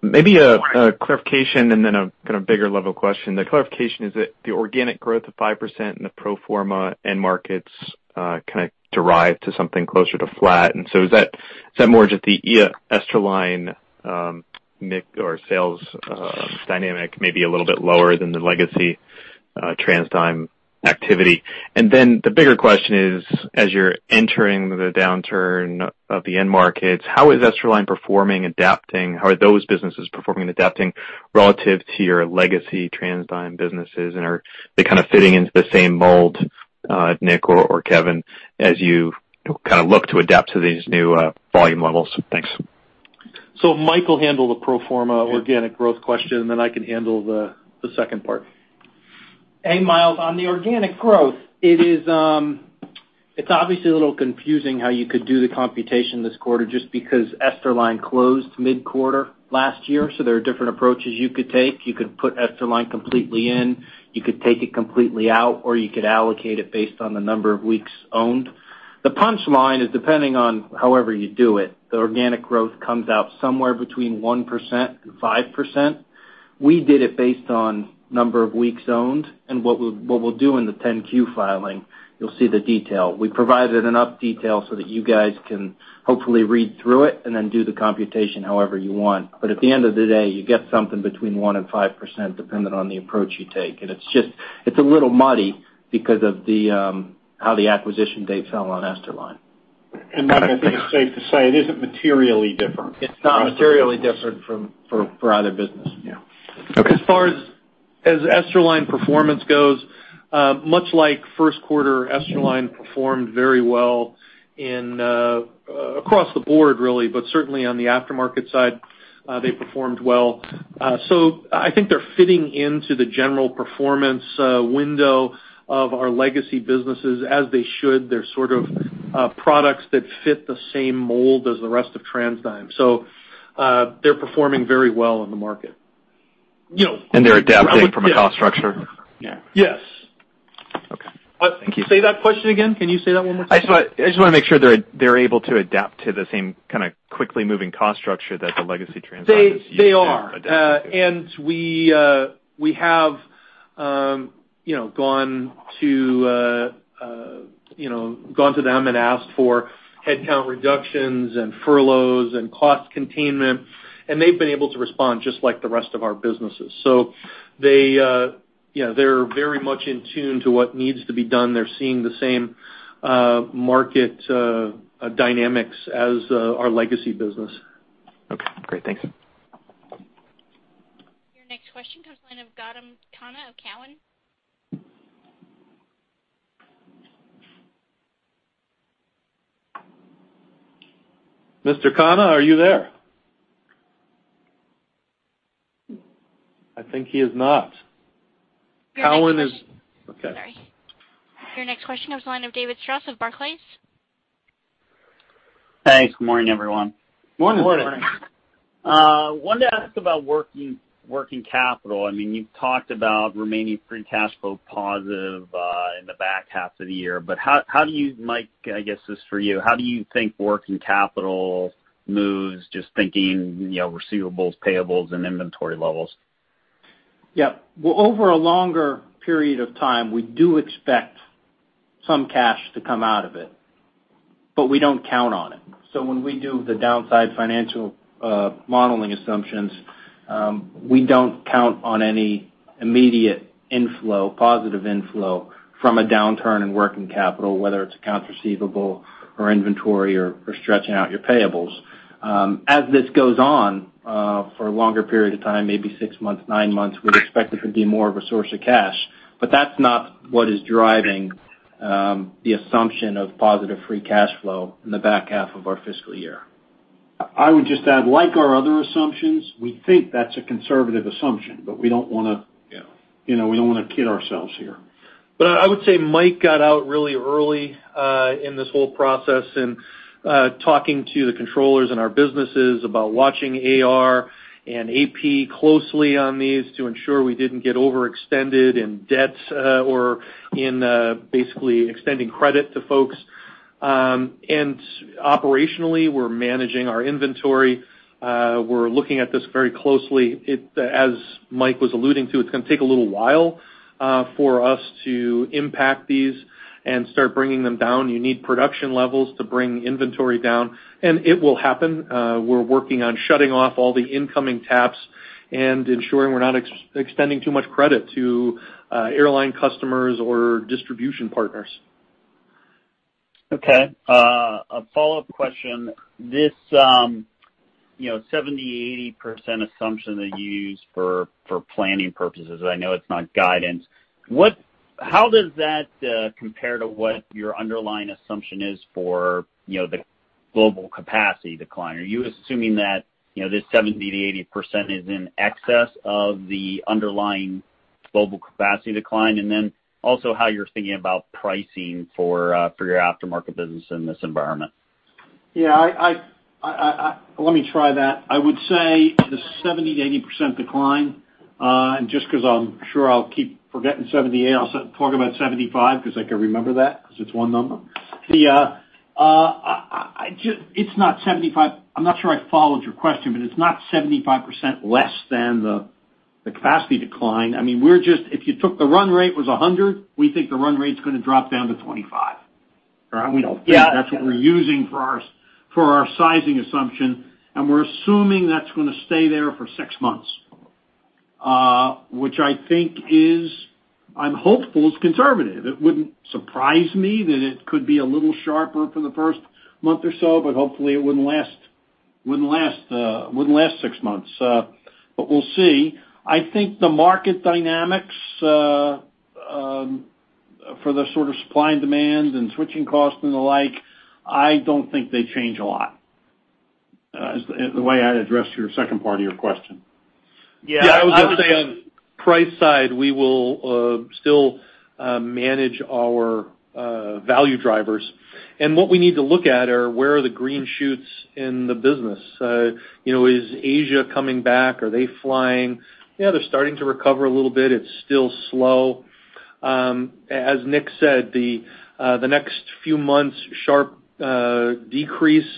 Maybe a clarification and then a kind of bigger level question. The clarification is that the organic growth of 5% in the pro forma end markets, kind of derive to something closer to flat. Is that more just the Esterline mix or sales dynamic, maybe a little bit lower than the legacy TransDigm activity? The bigger question is, as you're entering the downturn of the end markets, how is Esterline performing, adapting? How are those businesses performing and adapting relative to your legacy TransDigm businesses? Are they kind of fitting into the same mold, Nick or Kevin, as you kind of look to adapt to these new volume levels? Thanks. Mike will handle the pro forma organic growth question, and then I can handle the second part. Hey, Myles. On the organic growth, it is, it's obviously a little confusing how you could do the computation this quarter just because Esterline closed mid-quarter last year. There are different approaches you could take. You could put Esterline completely in. You could take it completely out, or you could allocate it based on the number of weeks owned. The punch line is, depending on however you do it, the organic growth comes out somewhere between 1% and 5%. We did it based on number of weeks owned, and what we'll do in the 10-Q filing, you'll see the detail. We provided enough detail so that you guys can hopefully read through it and then do the computation however you want. At the end of the day, you get something between 1% and 5% depending on the approach you take. It's just, it's a little muddy because of the, how the acquisition date fell on Esterline. Mike, I think it's safe to say it isn't materially different. It's not materially different from, for other business. Yeah. Okay. As far as Esterline performance goes, much like first quarter, Esterline performed very well in across the board really, but certainly on the aftermarket side, they performed well. I think they're fitting into the general performance window of our legacy businesses, as they should. They're sort of products that fit the same mold as the rest of TransDigm. They're performing very well in the market. You know- They're adapting from a cost structure? Yeah. Yes. Okay. Thank you. Say that question again. Can you say that one more time? I just wanna make sure they're able to adapt to the same kinda quickly moving cost structure that the legacy TransDigm is used to adapting to. They are. We, you know, gone to them and asked for headcount reductions and furloughs and cost containment, and they've been able to respond just like the rest of our businesses. They, yeah, they're very much in tune to what needs to be done. They're seeing the same market dynamics as our legacy business. Okay, great. Thanks. Your next question comes the line of Gautam Khanna of Cowen. Mr. Khanna, are you there? I think he is not. Sorry. Okay. Your next question comes the line of David Strauss of Barclays. Hey, good morning, everyone. Morning. Morning. Wanted to ask about working capital. I mean, you've talked about remaining free cash flow positive in the back half of the year, but how do you, Mike, I guess this is for you. How do you think working capital moves, just thinking, receivables, payables, and inventory levels? Yeah. Well, over a longer period of time, we do expect some cash to come out of it, but we don't count on it. When we do the downside financial modeling assumptions, we don't count on any immediate inflow, positive inflow from a downturn in working capital, whether it's accounts receivable or inventory or stretching out your payables. As this goes on for a longer period of time, maybe six months, nine months, we'd expect it to be more of a source of cash. That's not what is driving the assumption of positive free cash flow in the back half of our fiscal year. I would just add, like our other assumptions, we think that's a conservative assumption, but we don't. Yeah You know, we don't wanna kid ourselves here. I would say Mike got out really early in this whole process in talking to the controllers in our businesses about watching AR and AP closely on these to ensure we didn't get overextended in debts or in basically extending credit to folks. Operationally, we're managing our inventory. We're looking at this very closely. As Mike was alluding to, it's gonna take a little while for us to impact these and start bringing them down. You need production levels to bring inventory down, and it will happen. We're working on shutting off all the incoming taps and ensuring we're not extending too much credit to airline customers or distribution partners. Okay. a follow-up question. This, you know, 70%-80% assumption that you use for planning purposes, I know it's not guidance. How does that compare to what your underlying assumption is for, you know, the global capacity decline? Are you assuming that, you know, this 70%-80% is in excess of the underlying global capacity decline, and then also how you're thinking about pricing for your aftermarket business in this environment. Yeah, let me try that. I would say the 70%-80% decline, and just 'cause I'm sure I'll keep forgetting 78%, I'll talk about 75% 'cause I can remember that 'cause it's one number. It's not 75%. I'm not sure I followed your question, but it's not 75% less than the capacity decline. I mean, we're just If you took the run rate was 100%, we think the run rate's gonna drop down to 25%. All right? Yeah. That's what we're using for our sizing assumption, and we're assuming that's gonna stay there for six months. Which I think is, I'm hopeful, is conservative. It wouldn't surprise me that it could be a little sharper for the first month or so, but hopefully it wouldn't last six months. We'll see. I think the market dynamics for the sort of supply and demand and switching costs and the like, I don't think they change a lot, is the way I'd address your second part of your question. Yeah. I was just- Yeah, I would say on price side, we will still manage our value drivers. What we need to look at are where are the green shoots in the business. You know, is Asia coming back? Are they flying? Yeah, they're starting to recover a little bit. It's still slow. As Nick said, the next few months, sharp decrease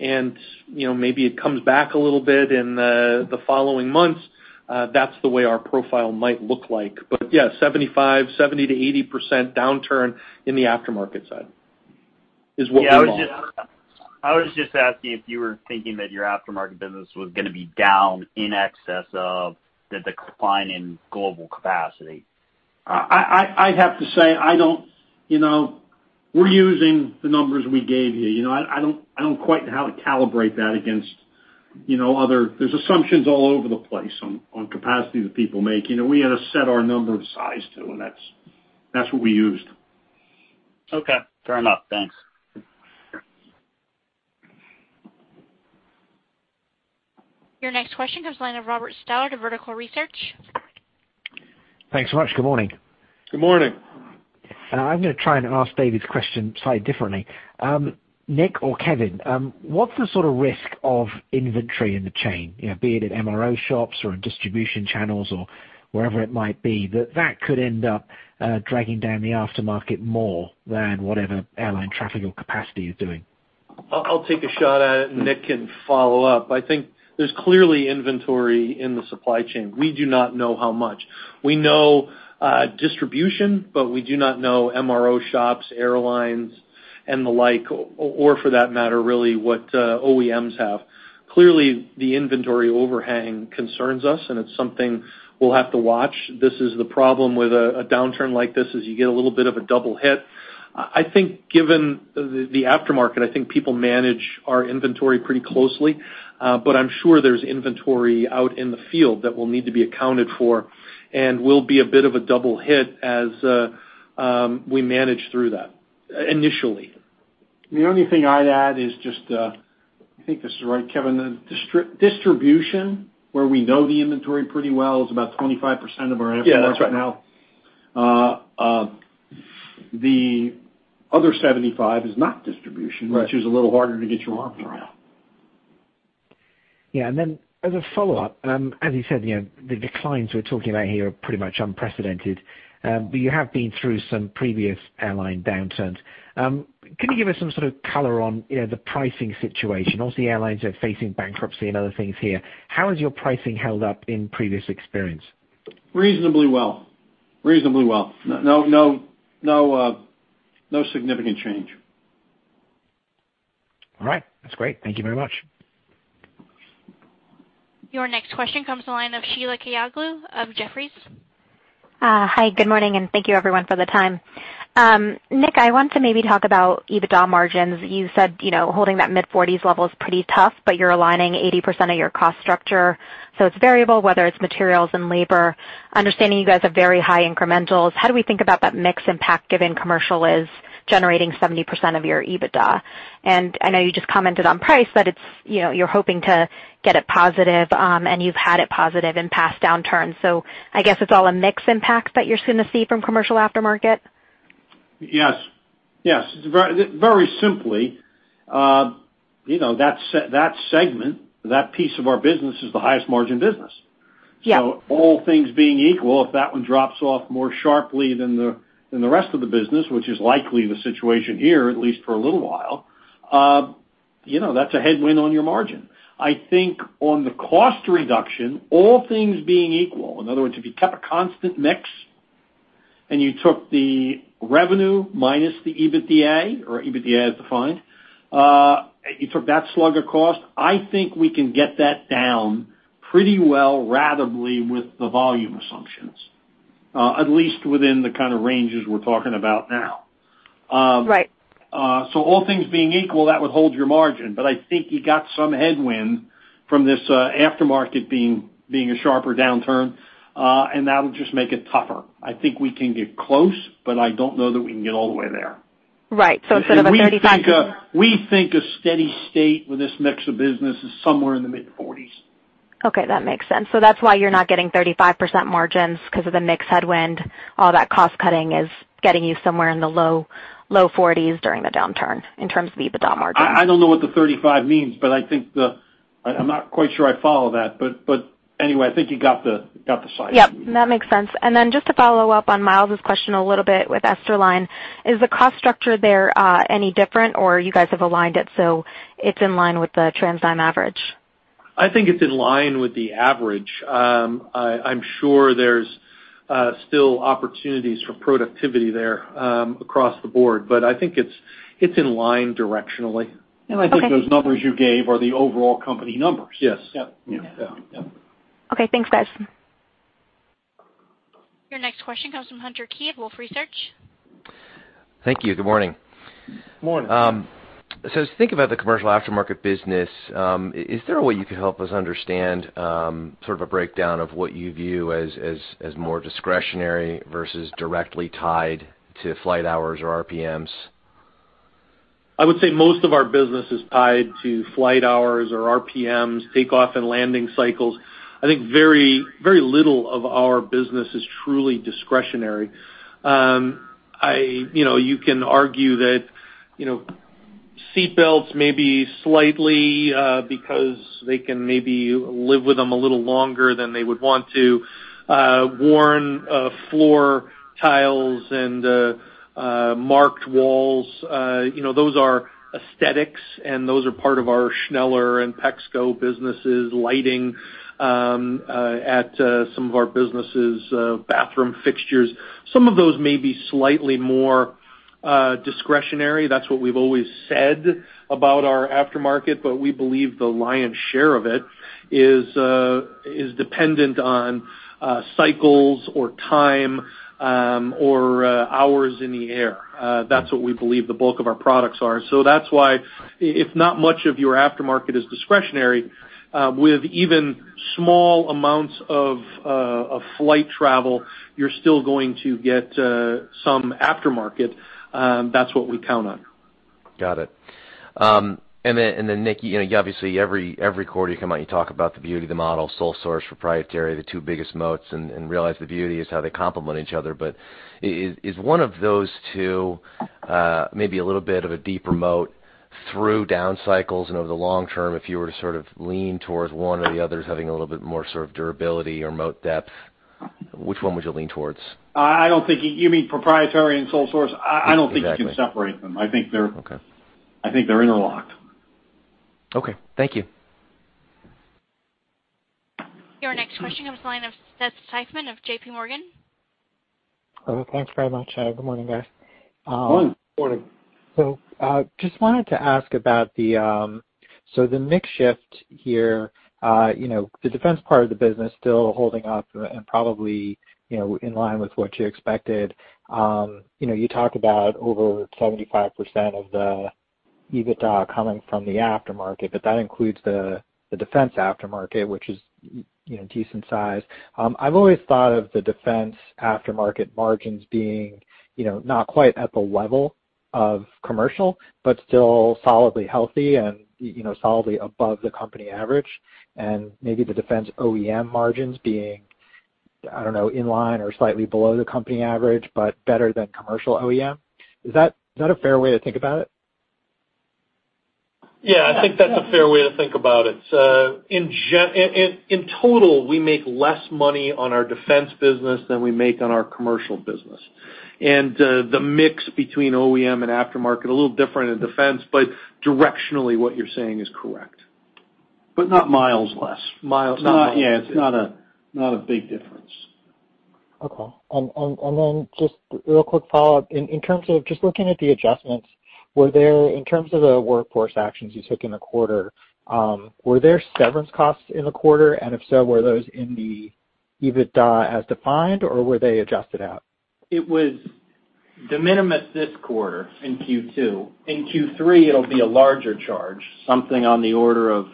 and, you know, maybe it comes back a little bit in the following months, that's the way our profile might look like. Yeah, 75%, 70%-80% downturn in the aftermarket side is what we all have. I was just asking if you were thinking that your aftermarket business was gonna be down in excess of the decline in global capacity. I'd have to say I don't. You know, we're using the numbers we gave you. You know, I don't quite know how to calibrate that against, you know. There's assumptions all over the place on capacity that people make. You know, we had to set our number to size to, and that's what we used. Okay. Fair enough. Thanks. Your next question comes the line of Robert Stallard of Vertical Research. Thanks so much. Good morning. Good morning. I'm gonna try and ask David's question slightly differently. Nick or Kevin, what's the sort of risk of inventory in the chain, you know, be it at MRO shops or in distribution channels or wherever it might be, that that could end up dragging down the aftermarket more than whatever airline traffic or capacity is doing? I'll take a shot at it, and Nick can follow up. I think there's clearly inventory in the supply chain. We do not know how much. We know distribution, but we do not know MRO shops, airlines, and the like, or for that matter, really, what OEMs have. Clearly, the inventory overhang concerns us, and it's something we'll have to watch. This is the problem with a downturn like this, is you get a little bit of a double hit. I think, given the aftermarket, I think people manage our inventory pretty closely, but I'm sure there's inventory out in the field that will need to be accounted for and will be a bit of a double hit as we manage through that, initially. The only thing I'd add is just, I think this is right, Kevin, the distribution, where we know the inventory pretty well, is about 25% of our efforts right now. Yeah, that's right. The other 75% is not distribution- Right Which is a little harder to get your arms around. Yeah. Then as a follow-up, as you said, you know, the declines we're talking about here are pretty much unprecedented. You have been through some previous airline downturns. Can you give us some sort of color on, you know, the pricing situation? Obviously, airlines are facing bankruptcy and other things here. How has your pricing held up in previous experience? Reasonably well. No, no significant change. All right. That's great. Thank you very much. Your next question comes the line of Sheila Kahyaoglu of Jefferies. Hi, good morning, and thank you everyone for the time. Nick, I want to maybe talk about EBITDA margins. You said, you know, holding that mid-40s level is pretty tough, but you're aligning 80% of your cost structure, so it's variable, whether it's materials and labor. Understanding you guys have very high incrementals, how do we think about that mix impact given commercial is generating 70% of your EBITDA? I know you just commented on price, but it's, you know, you're hoping to get it positive, and you've had it positive in past downturns. I guess it's all a mix impact that you're gonna see from commercial aftermarket? Yes. Yes. Very simply, you know, that segment, that piece of our business is the highest margin business. Yeah. All things being equal, if that one drops off more sharply than the rest of the business, which is likely the situation here, at least for a little while, you know, that's a headwind on your margin. I think on the cost reduction, all things being equal, in other words, if you kept a constant mix and you took the revenue minus the EBITDA, or EBITDA as defined, you took that slug of cost, I think we can get that down pretty well ratably with the volume assumptions, at least within the kinda ranges we're talking about now. Right All things being equal, that would hold your margin. I think you got some headwind from this aftermarket being a sharper downturn, that'll just make it tougher. I think we can get close, but I don't know that we can get all the way there. Right. instead of a 35%- We think a steady state with this mix of business is somewhere in the mid-forties. Okay, that makes sense. That's why you're not getting 35% margins 'cause of the mix headwind. All that cost-cutting is getting you somewhere in the low, low 40s during the downturn in terms of EBITDA margin. I don't know what the 35% means, but I think I'm not quite sure I follow that, but anyway, I think you got the size. Yep, that makes sense. Then just to follow up on Myles's question a little bit with Esterline, is the cost structure there any different or you guys have aligned it so it's in line with the TransDigm average? I think it's in line with the average. I'm sure there's still opportunities for productivity there, across the board, but I think it's in line directionally. Okay. I think those numbers you gave are the overall company numbers. Yes. Yep. Yeah. Yep. Okay, thanks guys. Your next question comes from Hunter Keay, Wolfe Research. Thank you. Good morning. Morning. As we think about the commercial aftermarket business, is there a way you could help us understand, sort of a breakdown of what you view as more discretionary versus directly tied to flight hours or RPMs? I would say most of our business is tied to flight hours or RPMs, takeoff and landing cycles. I think very, very little of our business is truly discretionary. You know, you can argue that, you know, seat belts may be slightly, because they can maybe live with them a little longer than they would want to, worn, floor tiles and marked walls. You know, those are aesthetics, and those are part of our Schneller and Pexco businesses, lighting, at some of our businesses, bathroom fixtures. Some of those may be slightly more discretionary. That's what we've always said about our aftermarket, but we believe the lion's share of it is dependent on cycles or time, or hours in the air. That's what we believe the bulk of our products are. That's why if not much of your aftermarket is discretionary, with even small amounts of flight travel, you're still going to get some aftermarket. That's what we count on. Got it. Nick, you know, obviously every quarter you come out, you talk about the beauty of the model, sole source, proprietary, the two biggest moats, and realize the beauty is how they complement each other. Is one of those two, maybe a little bit of a deeper moat through down cycles and over the long term, if you were to sort of lean towards one or the other as having a little bit more sort of durability or moat depth, which one would you lean towards? I don't think you mean proprietary and sole source? Exactly. I don't think you can separate them. Okay. I think they're interlocked. Okay. Thank you. Your next question comes the line of Seth Seifman of JPMorgan. Oh, thanks very much. Good morning, guys. Morning. Morning. Just wanted to ask about the mix shift here, you know, the defense part of the business still holding up and probably, you know, in line with what you expected. You know, you talk about over 75% of the EBITDA coming from the aftermarket, but that includes the defense aftermarket, which is, you know, decent size. I've always thought of the defense aftermarket margins being, you know, not quite at the level of commercial, but still solidly healthy and, you know, solidly above the company average, and maybe the defense OEM margins being, I don't know, in line or slightly below the company average, but better than commercial OEM. Is that a fair way to think about it? Yeah, I think that's a fair way to think about it. In total, we make less money on our defense business than we make on our commercial business. The mix between OEM and aftermarket, a little different in defense, but directionally, what you're saying is correct. Not Myles less. Myles, not. It's not Yeah, it's not a big difference. Okay. Then just real quick follow-up. In terms of just looking at the adjustments, were there, in terms of the workforce actions you took in the quarter, were there severance costs in the quarter? If so, were those in the EBITDA as defined, or were they adjusted out? It was de minimis this quarter in Q2. In Q3, it'll be a larger charge, something on the order of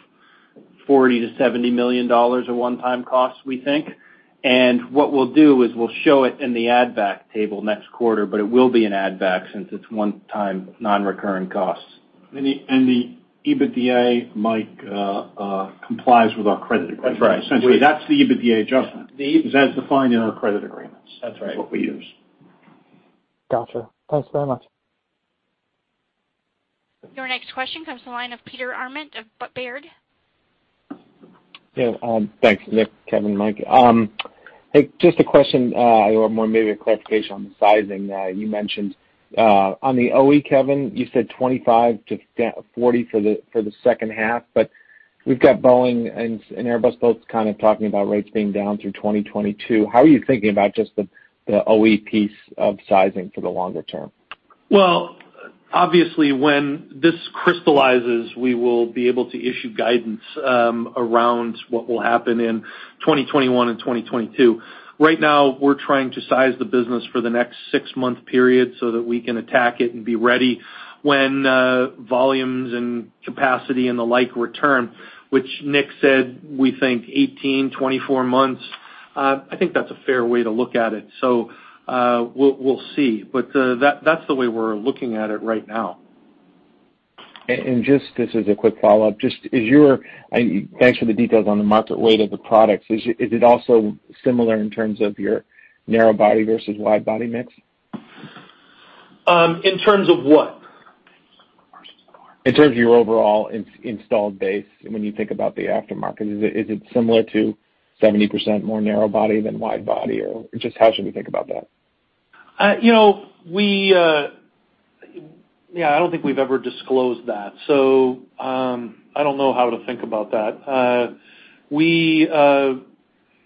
$40 million-$70 million of one-time costs, we think. What we'll do is we'll show it in the add back table next quarter, but it will be an add back since it's one-time non-recurring costs. The EBITDA, Mike, complies with our credit agreement. That's right. Essentially, that's the EBITDA adjustment. The- 'Cause as defined in our credit agreements. That's right. That's what we use. Gotcha. Thanks very much. Your next question comes the line of Peter Arment of Baird. Thanks, Nick, Kevin, Mike. Hey, just a question or more maybe a clarification on the sizing. You mentioned on the OE, Kevin, you said 25%-40% for the, for the second half. We've got Boeing and Airbus both kind of talking about rates being down through 2022. How are you thinking about just the OE piece of sizing for the longer term? Obviously, when this crystallizes, we will be able to issue guidance around what will happen in 2021 and 2022. We're trying to size the business for the next six-month period so that we can attack it and be ready when volumes and capacity and the like return, which Nick said we think 18-24 months, I think that's a fair way to look at it. We'll see. That's the way we're looking at it right now. Just this is a quick follow-up. Thanks for the details on the market weight of the products. Is it also similar in terms of your narrow body versus wide body mix? In terms of what? In terms of your overall installed base when you think about the aftermarket. Is it similar to 70% more narrow body than wide body, or just how should we think about that? You know, we, I don't think we've ever disclosed that, so, I don't know how to think about that. We,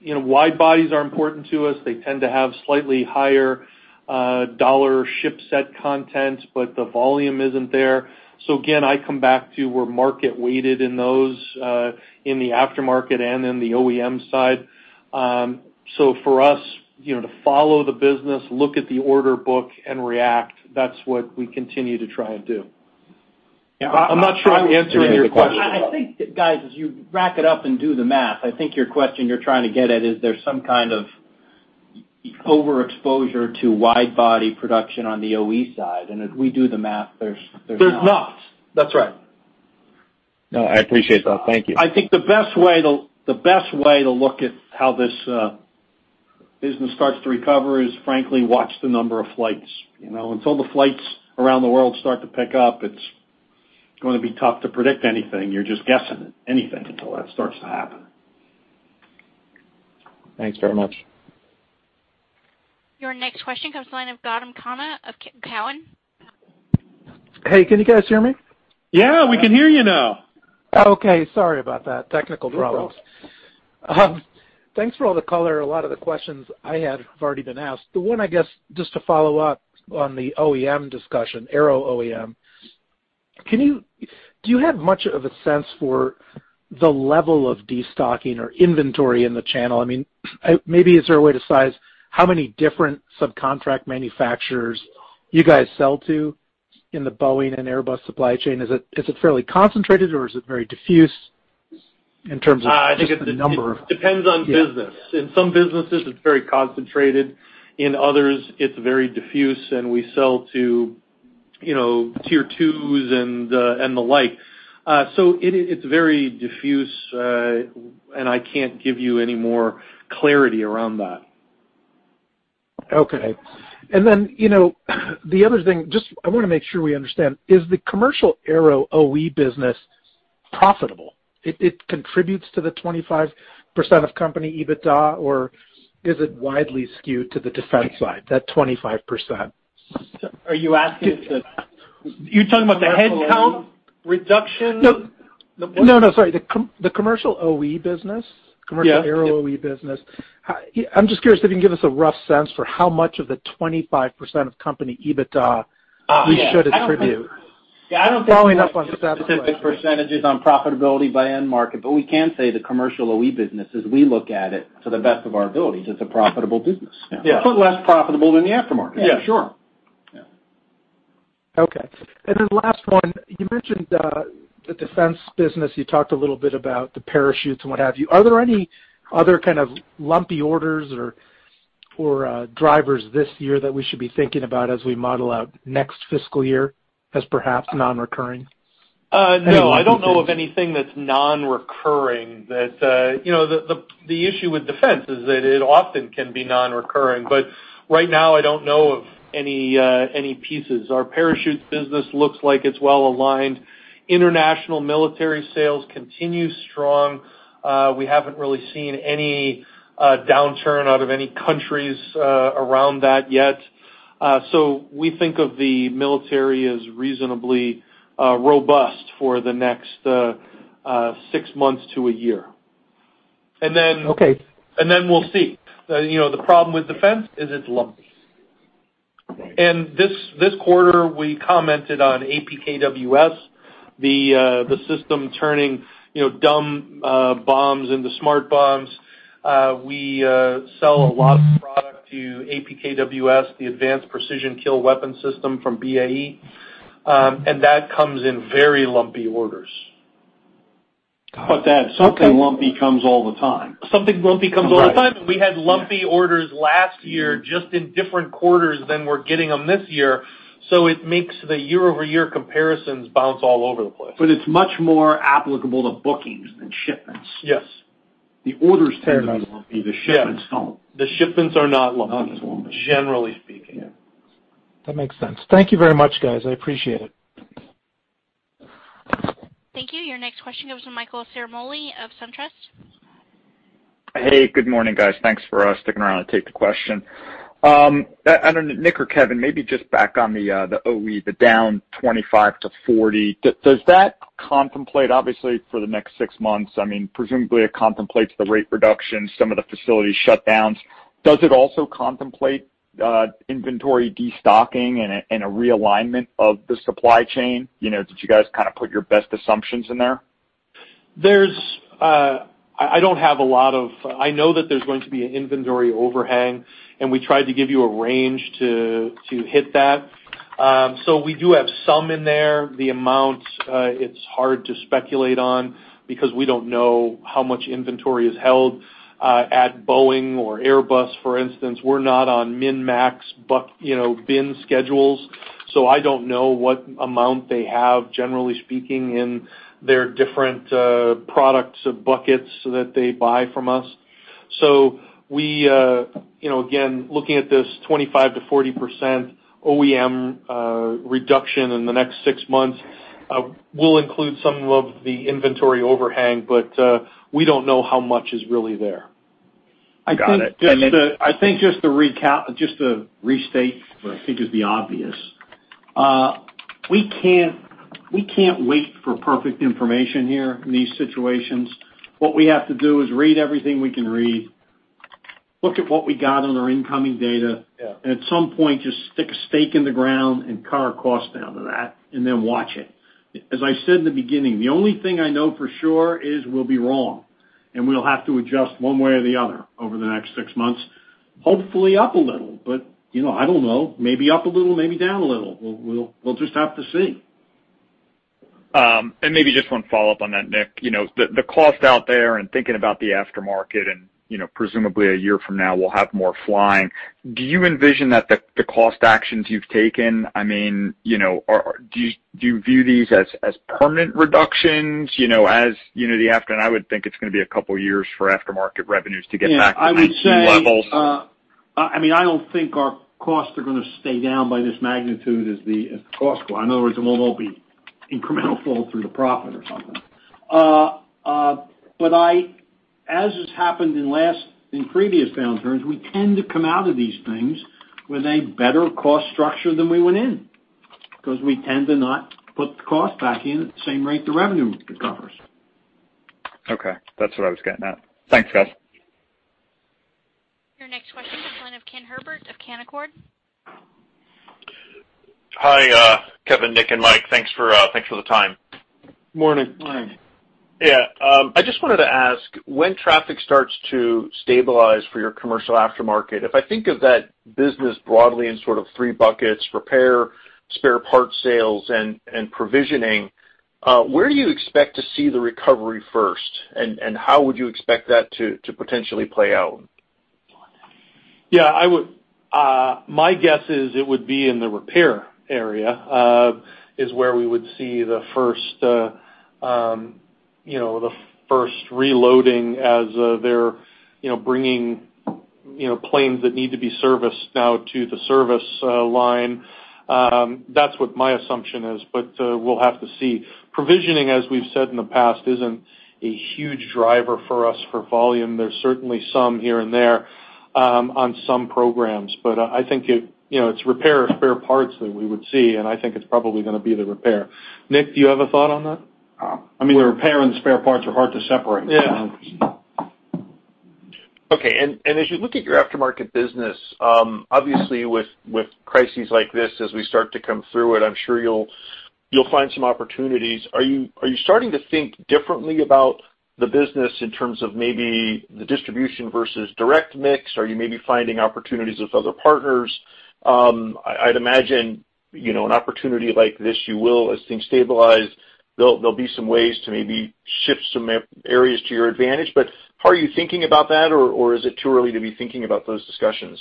you know, wide bodies are important to us. They tend to have slightly higher dollar ship set content, but the volume isn't there. Again, I come back to we're market weighted in those, in the aftermarket and in the OEM side. For us, you know, to follow the business, look at the order book and react, that's what we continue to try and do. I'm not sure I'm answering your question. I think that, guys, as you rack it up and do the math, I think your question you're trying to get at is there's some kind of overexposure to wide body production on the OE side. If we do the math, there's not. There's not. That's right. No, I appreciate that. Thank you. I think the best way to look at how this business starts to recover is frankly watch the number of flights. You know, until the flights around the world start to pick up, it's going to be tough to predict anything. You're just guessing anything until that starts to happen. Thanks very much. Your next question comes the line of Gautam Khanna of Cowen. Hey, can you guys hear me? Yeah, we can hear you now. Okay, sorry about that. Technical problems. No problem. Thanks for all the color. A lot of the questions I had have already been asked. The one, I guess, just to follow up on the OEM discussion, aero OEM, do you have much of a sense for the level of destocking or inventory in the channel? I mean, maybe is there a way to size how many different subcontract manufacturers you guys sell to in the Boeing and Airbus supply chain? Is it fairly concentrated or is it very diffuse in terms of just the number? I think it depends on business. In some businesses, it's very concentrated. In others, it's very diffuse, and we sell to, you know, tier 2s and the like. It's very diffuse, and I can't give you any more clarity around that. Okay. you know, the other thing, just I wanna make sure we understand. Is the commercial aero OE business profitable? It contributes to the 25% of company EBITDA, or is it widely skewed to the defense side, that 25%? Are you asking if the? You're talking about the headcount reduction? No. No, no, sorry. The commercial OE business. Yeah. Commercial aero OE business. I'm just curious if you can give us a rough sense for how much of the 25% of company EBITDA we should attribute. Yeah. Following up on- percentages on profitability by end market, but we can say the commercial OE business as we look at it to the best of our abilities, it's a profitable business. Yeah. It's less profitable than the aftermarket. Yeah. Sure. Yeah. Okay. Last one. You mentioned the defense business. You talked a little bit about the parachutes and what have you. Are there any other kind of lumpy orders or drivers this year that we should be thinking about as we model out next fiscal year as perhaps non-recurring? No, I don't know of anything that's non-recurring that. You know, the issue with defense is that it often can be non-recurring, but right now I don't know of any any pieces. Our parachutes business looks like it's well aligned. International military sales continue strong. We haven't really seen any downturn out of any countries around that yet. So we think of the military as reasonably robust for the next six months to one year. Okay. Then we'll see. You know, the problem with defense is it's lumpy. This quarter, we commented on APKWS, the system turning, you know, dumb bombs into smart bombs. We sell a lot of product to APKWS, the Advanced Precision Kill Weapon System from BAE, and that comes in very lumpy orders. Got it. Okay. That something lumpy comes all the time. Something lumpy comes all the time. Right. We had lumpy orders last year just in different quarters than we're getting them this year, so it makes the year-over-year comparisons bounce all over the place. It's much more applicable to bookings than shipments. Yes. The orders tend to be lumpy, the shipments don't. The shipments are not lumpy. Not lumpy. Generally speaking. Yeah. That makes sense. Thank you very much, guys. I appreciate it. Thank you. Your next question goes to Michael Ciarmoli of SunTrust. Hey, good morning, guys. Thanks for sticking around to take the question. I don't know, Nick or Kevin, maybe just back on the OE, the down 25%-40%. Does that contemplate, obviously, for the next 6 months, I mean, presumably it contemplates the rate reduction, some of the facility shutdowns. Does it also contemplate inventory destocking and a realignment of the supply chain? You know, did you guys kinda put your best assumptions in there? There's, I know that there's going to be an inventory overhang, and we tried to give you a range to hit that. We do have some in there. The amount, it's hard to speculate on because we don't know how much inventory is held at Boeing or Airbus, for instance. We're not on min-max buck, you know, bin schedules, I don't know what amount they have, generally speaking, in their different products of buckets that they buy from us. We, you know, again, looking at this 25%-40% OEM reduction in the next six months, we'll include some of the inventory overhang, we don't know how much is really there. Got it. I think just to recap, just to restate what I think is the obvious, we can't wait for perfect information here in these situations. What we have to do is read everything we can read, look at what we got on our incoming data- Yeah At some point, just stick a stake in the ground and cut our cost down to that and then watch it. As I said in the beginning, the only thing I know for sure is we'll be wrong, and we'll have to adjust one way or the other over the next 6 months, hopefully up a little. You know, I don't know, maybe up a little, maybe down a little. We'll just have to see. Maybe just one follow-up on that, Nick. You know, the cost out there and thinking about the aftermarket and, you know, presumably one year from now we'll have more flying, do you envision that the cost actions you've taken, I mean, you know, do you view these as permanent reductions? I would think it's gonna be a couple years for aftermarket revenues to get back to pre-COVID levels. Yeah. I would say, I mean, I don't think our costs are gonna stay down by this magnitude as the, as the costs go. In other words, it won't all be incremental fall through the profit or something. As has happened in previous downturns, we tend to come out of these things with a better cost structure than we went in because we tend to not put the cost back in at the same rate the revenue recovers. Okay. That's what I was getting at. Thanks, guys. Your next question is the line of Ken Herbert of Canaccord. Hi, Kevin, Nick, and Mike. Thanks for the time. Morning. Morning. I just wanted to ask, when traffic starts to stabilize for your commercial aftermarket, if I think of that business broadly in sort of 3 buckets, repair, spare parts sales, and provisioning, where do you expect to see the recovery first, and how would you expect that to potentially play out? Yeah, I would, my guess is it would be in the repair area, is where we would see the first, you know, the first reloading as they're, you know, bringing, you know, planes that need to be serviced now to the service line. That's what my assumption is, we'll have to see. Provisioning, as we've said in the past, isn't a huge driver for us for volume. There's certainly some here and there on some programs. I think it, you know, it's repair or spare parts that we would see, and I think it's probably gonna be the repair. Nick, do you have a thought on that? I mean, the repair and spare parts are hard to separate. Yeah. Okay. As you look at your aftermarket business, obviously with crises like this, as we start to come through it, I'm sure you'll find some opportunities. Are you starting to think differently about the business in terms of maybe the distribution versus direct mix? Are you maybe finding opportunities with other partners? I'd imagine, you know, an opportunity like this, you will, as things stabilize, there'll be some ways to maybe shift some areas to your advantage. Are you thinking about that, or is it too early to be thinking about those discussions?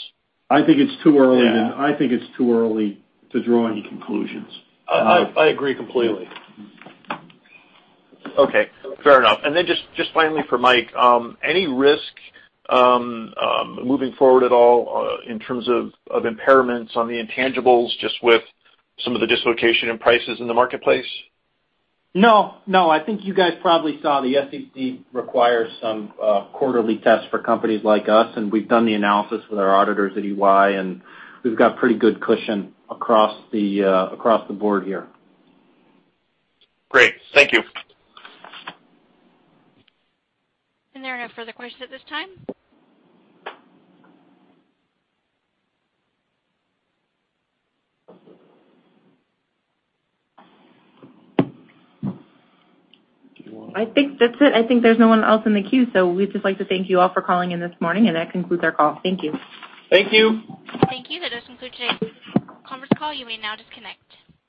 I think it's too early. Yeah. I think it's too early to draw any conclusions. I agree completely. Okay, fair enough. Then just finally for Mike, any risk moving forward at all in terms of impairments on the intangibles just with some of the dislocation in prices in the marketplace? No, no. I think you guys probably saw the SEC requires some quarterly tests for companies like us, and we've done the analysis with our auditors at EY, and we've got pretty good cushion across the across the board here. Great. Thank you. There are no further questions at this time. I think that's it. I think there's no one else in the queue. We'd just like to thank you all for calling in this morning. That concludes our call. Thank you. Thank you. Thank you. That does conclude today's conference call. You may now disconnect.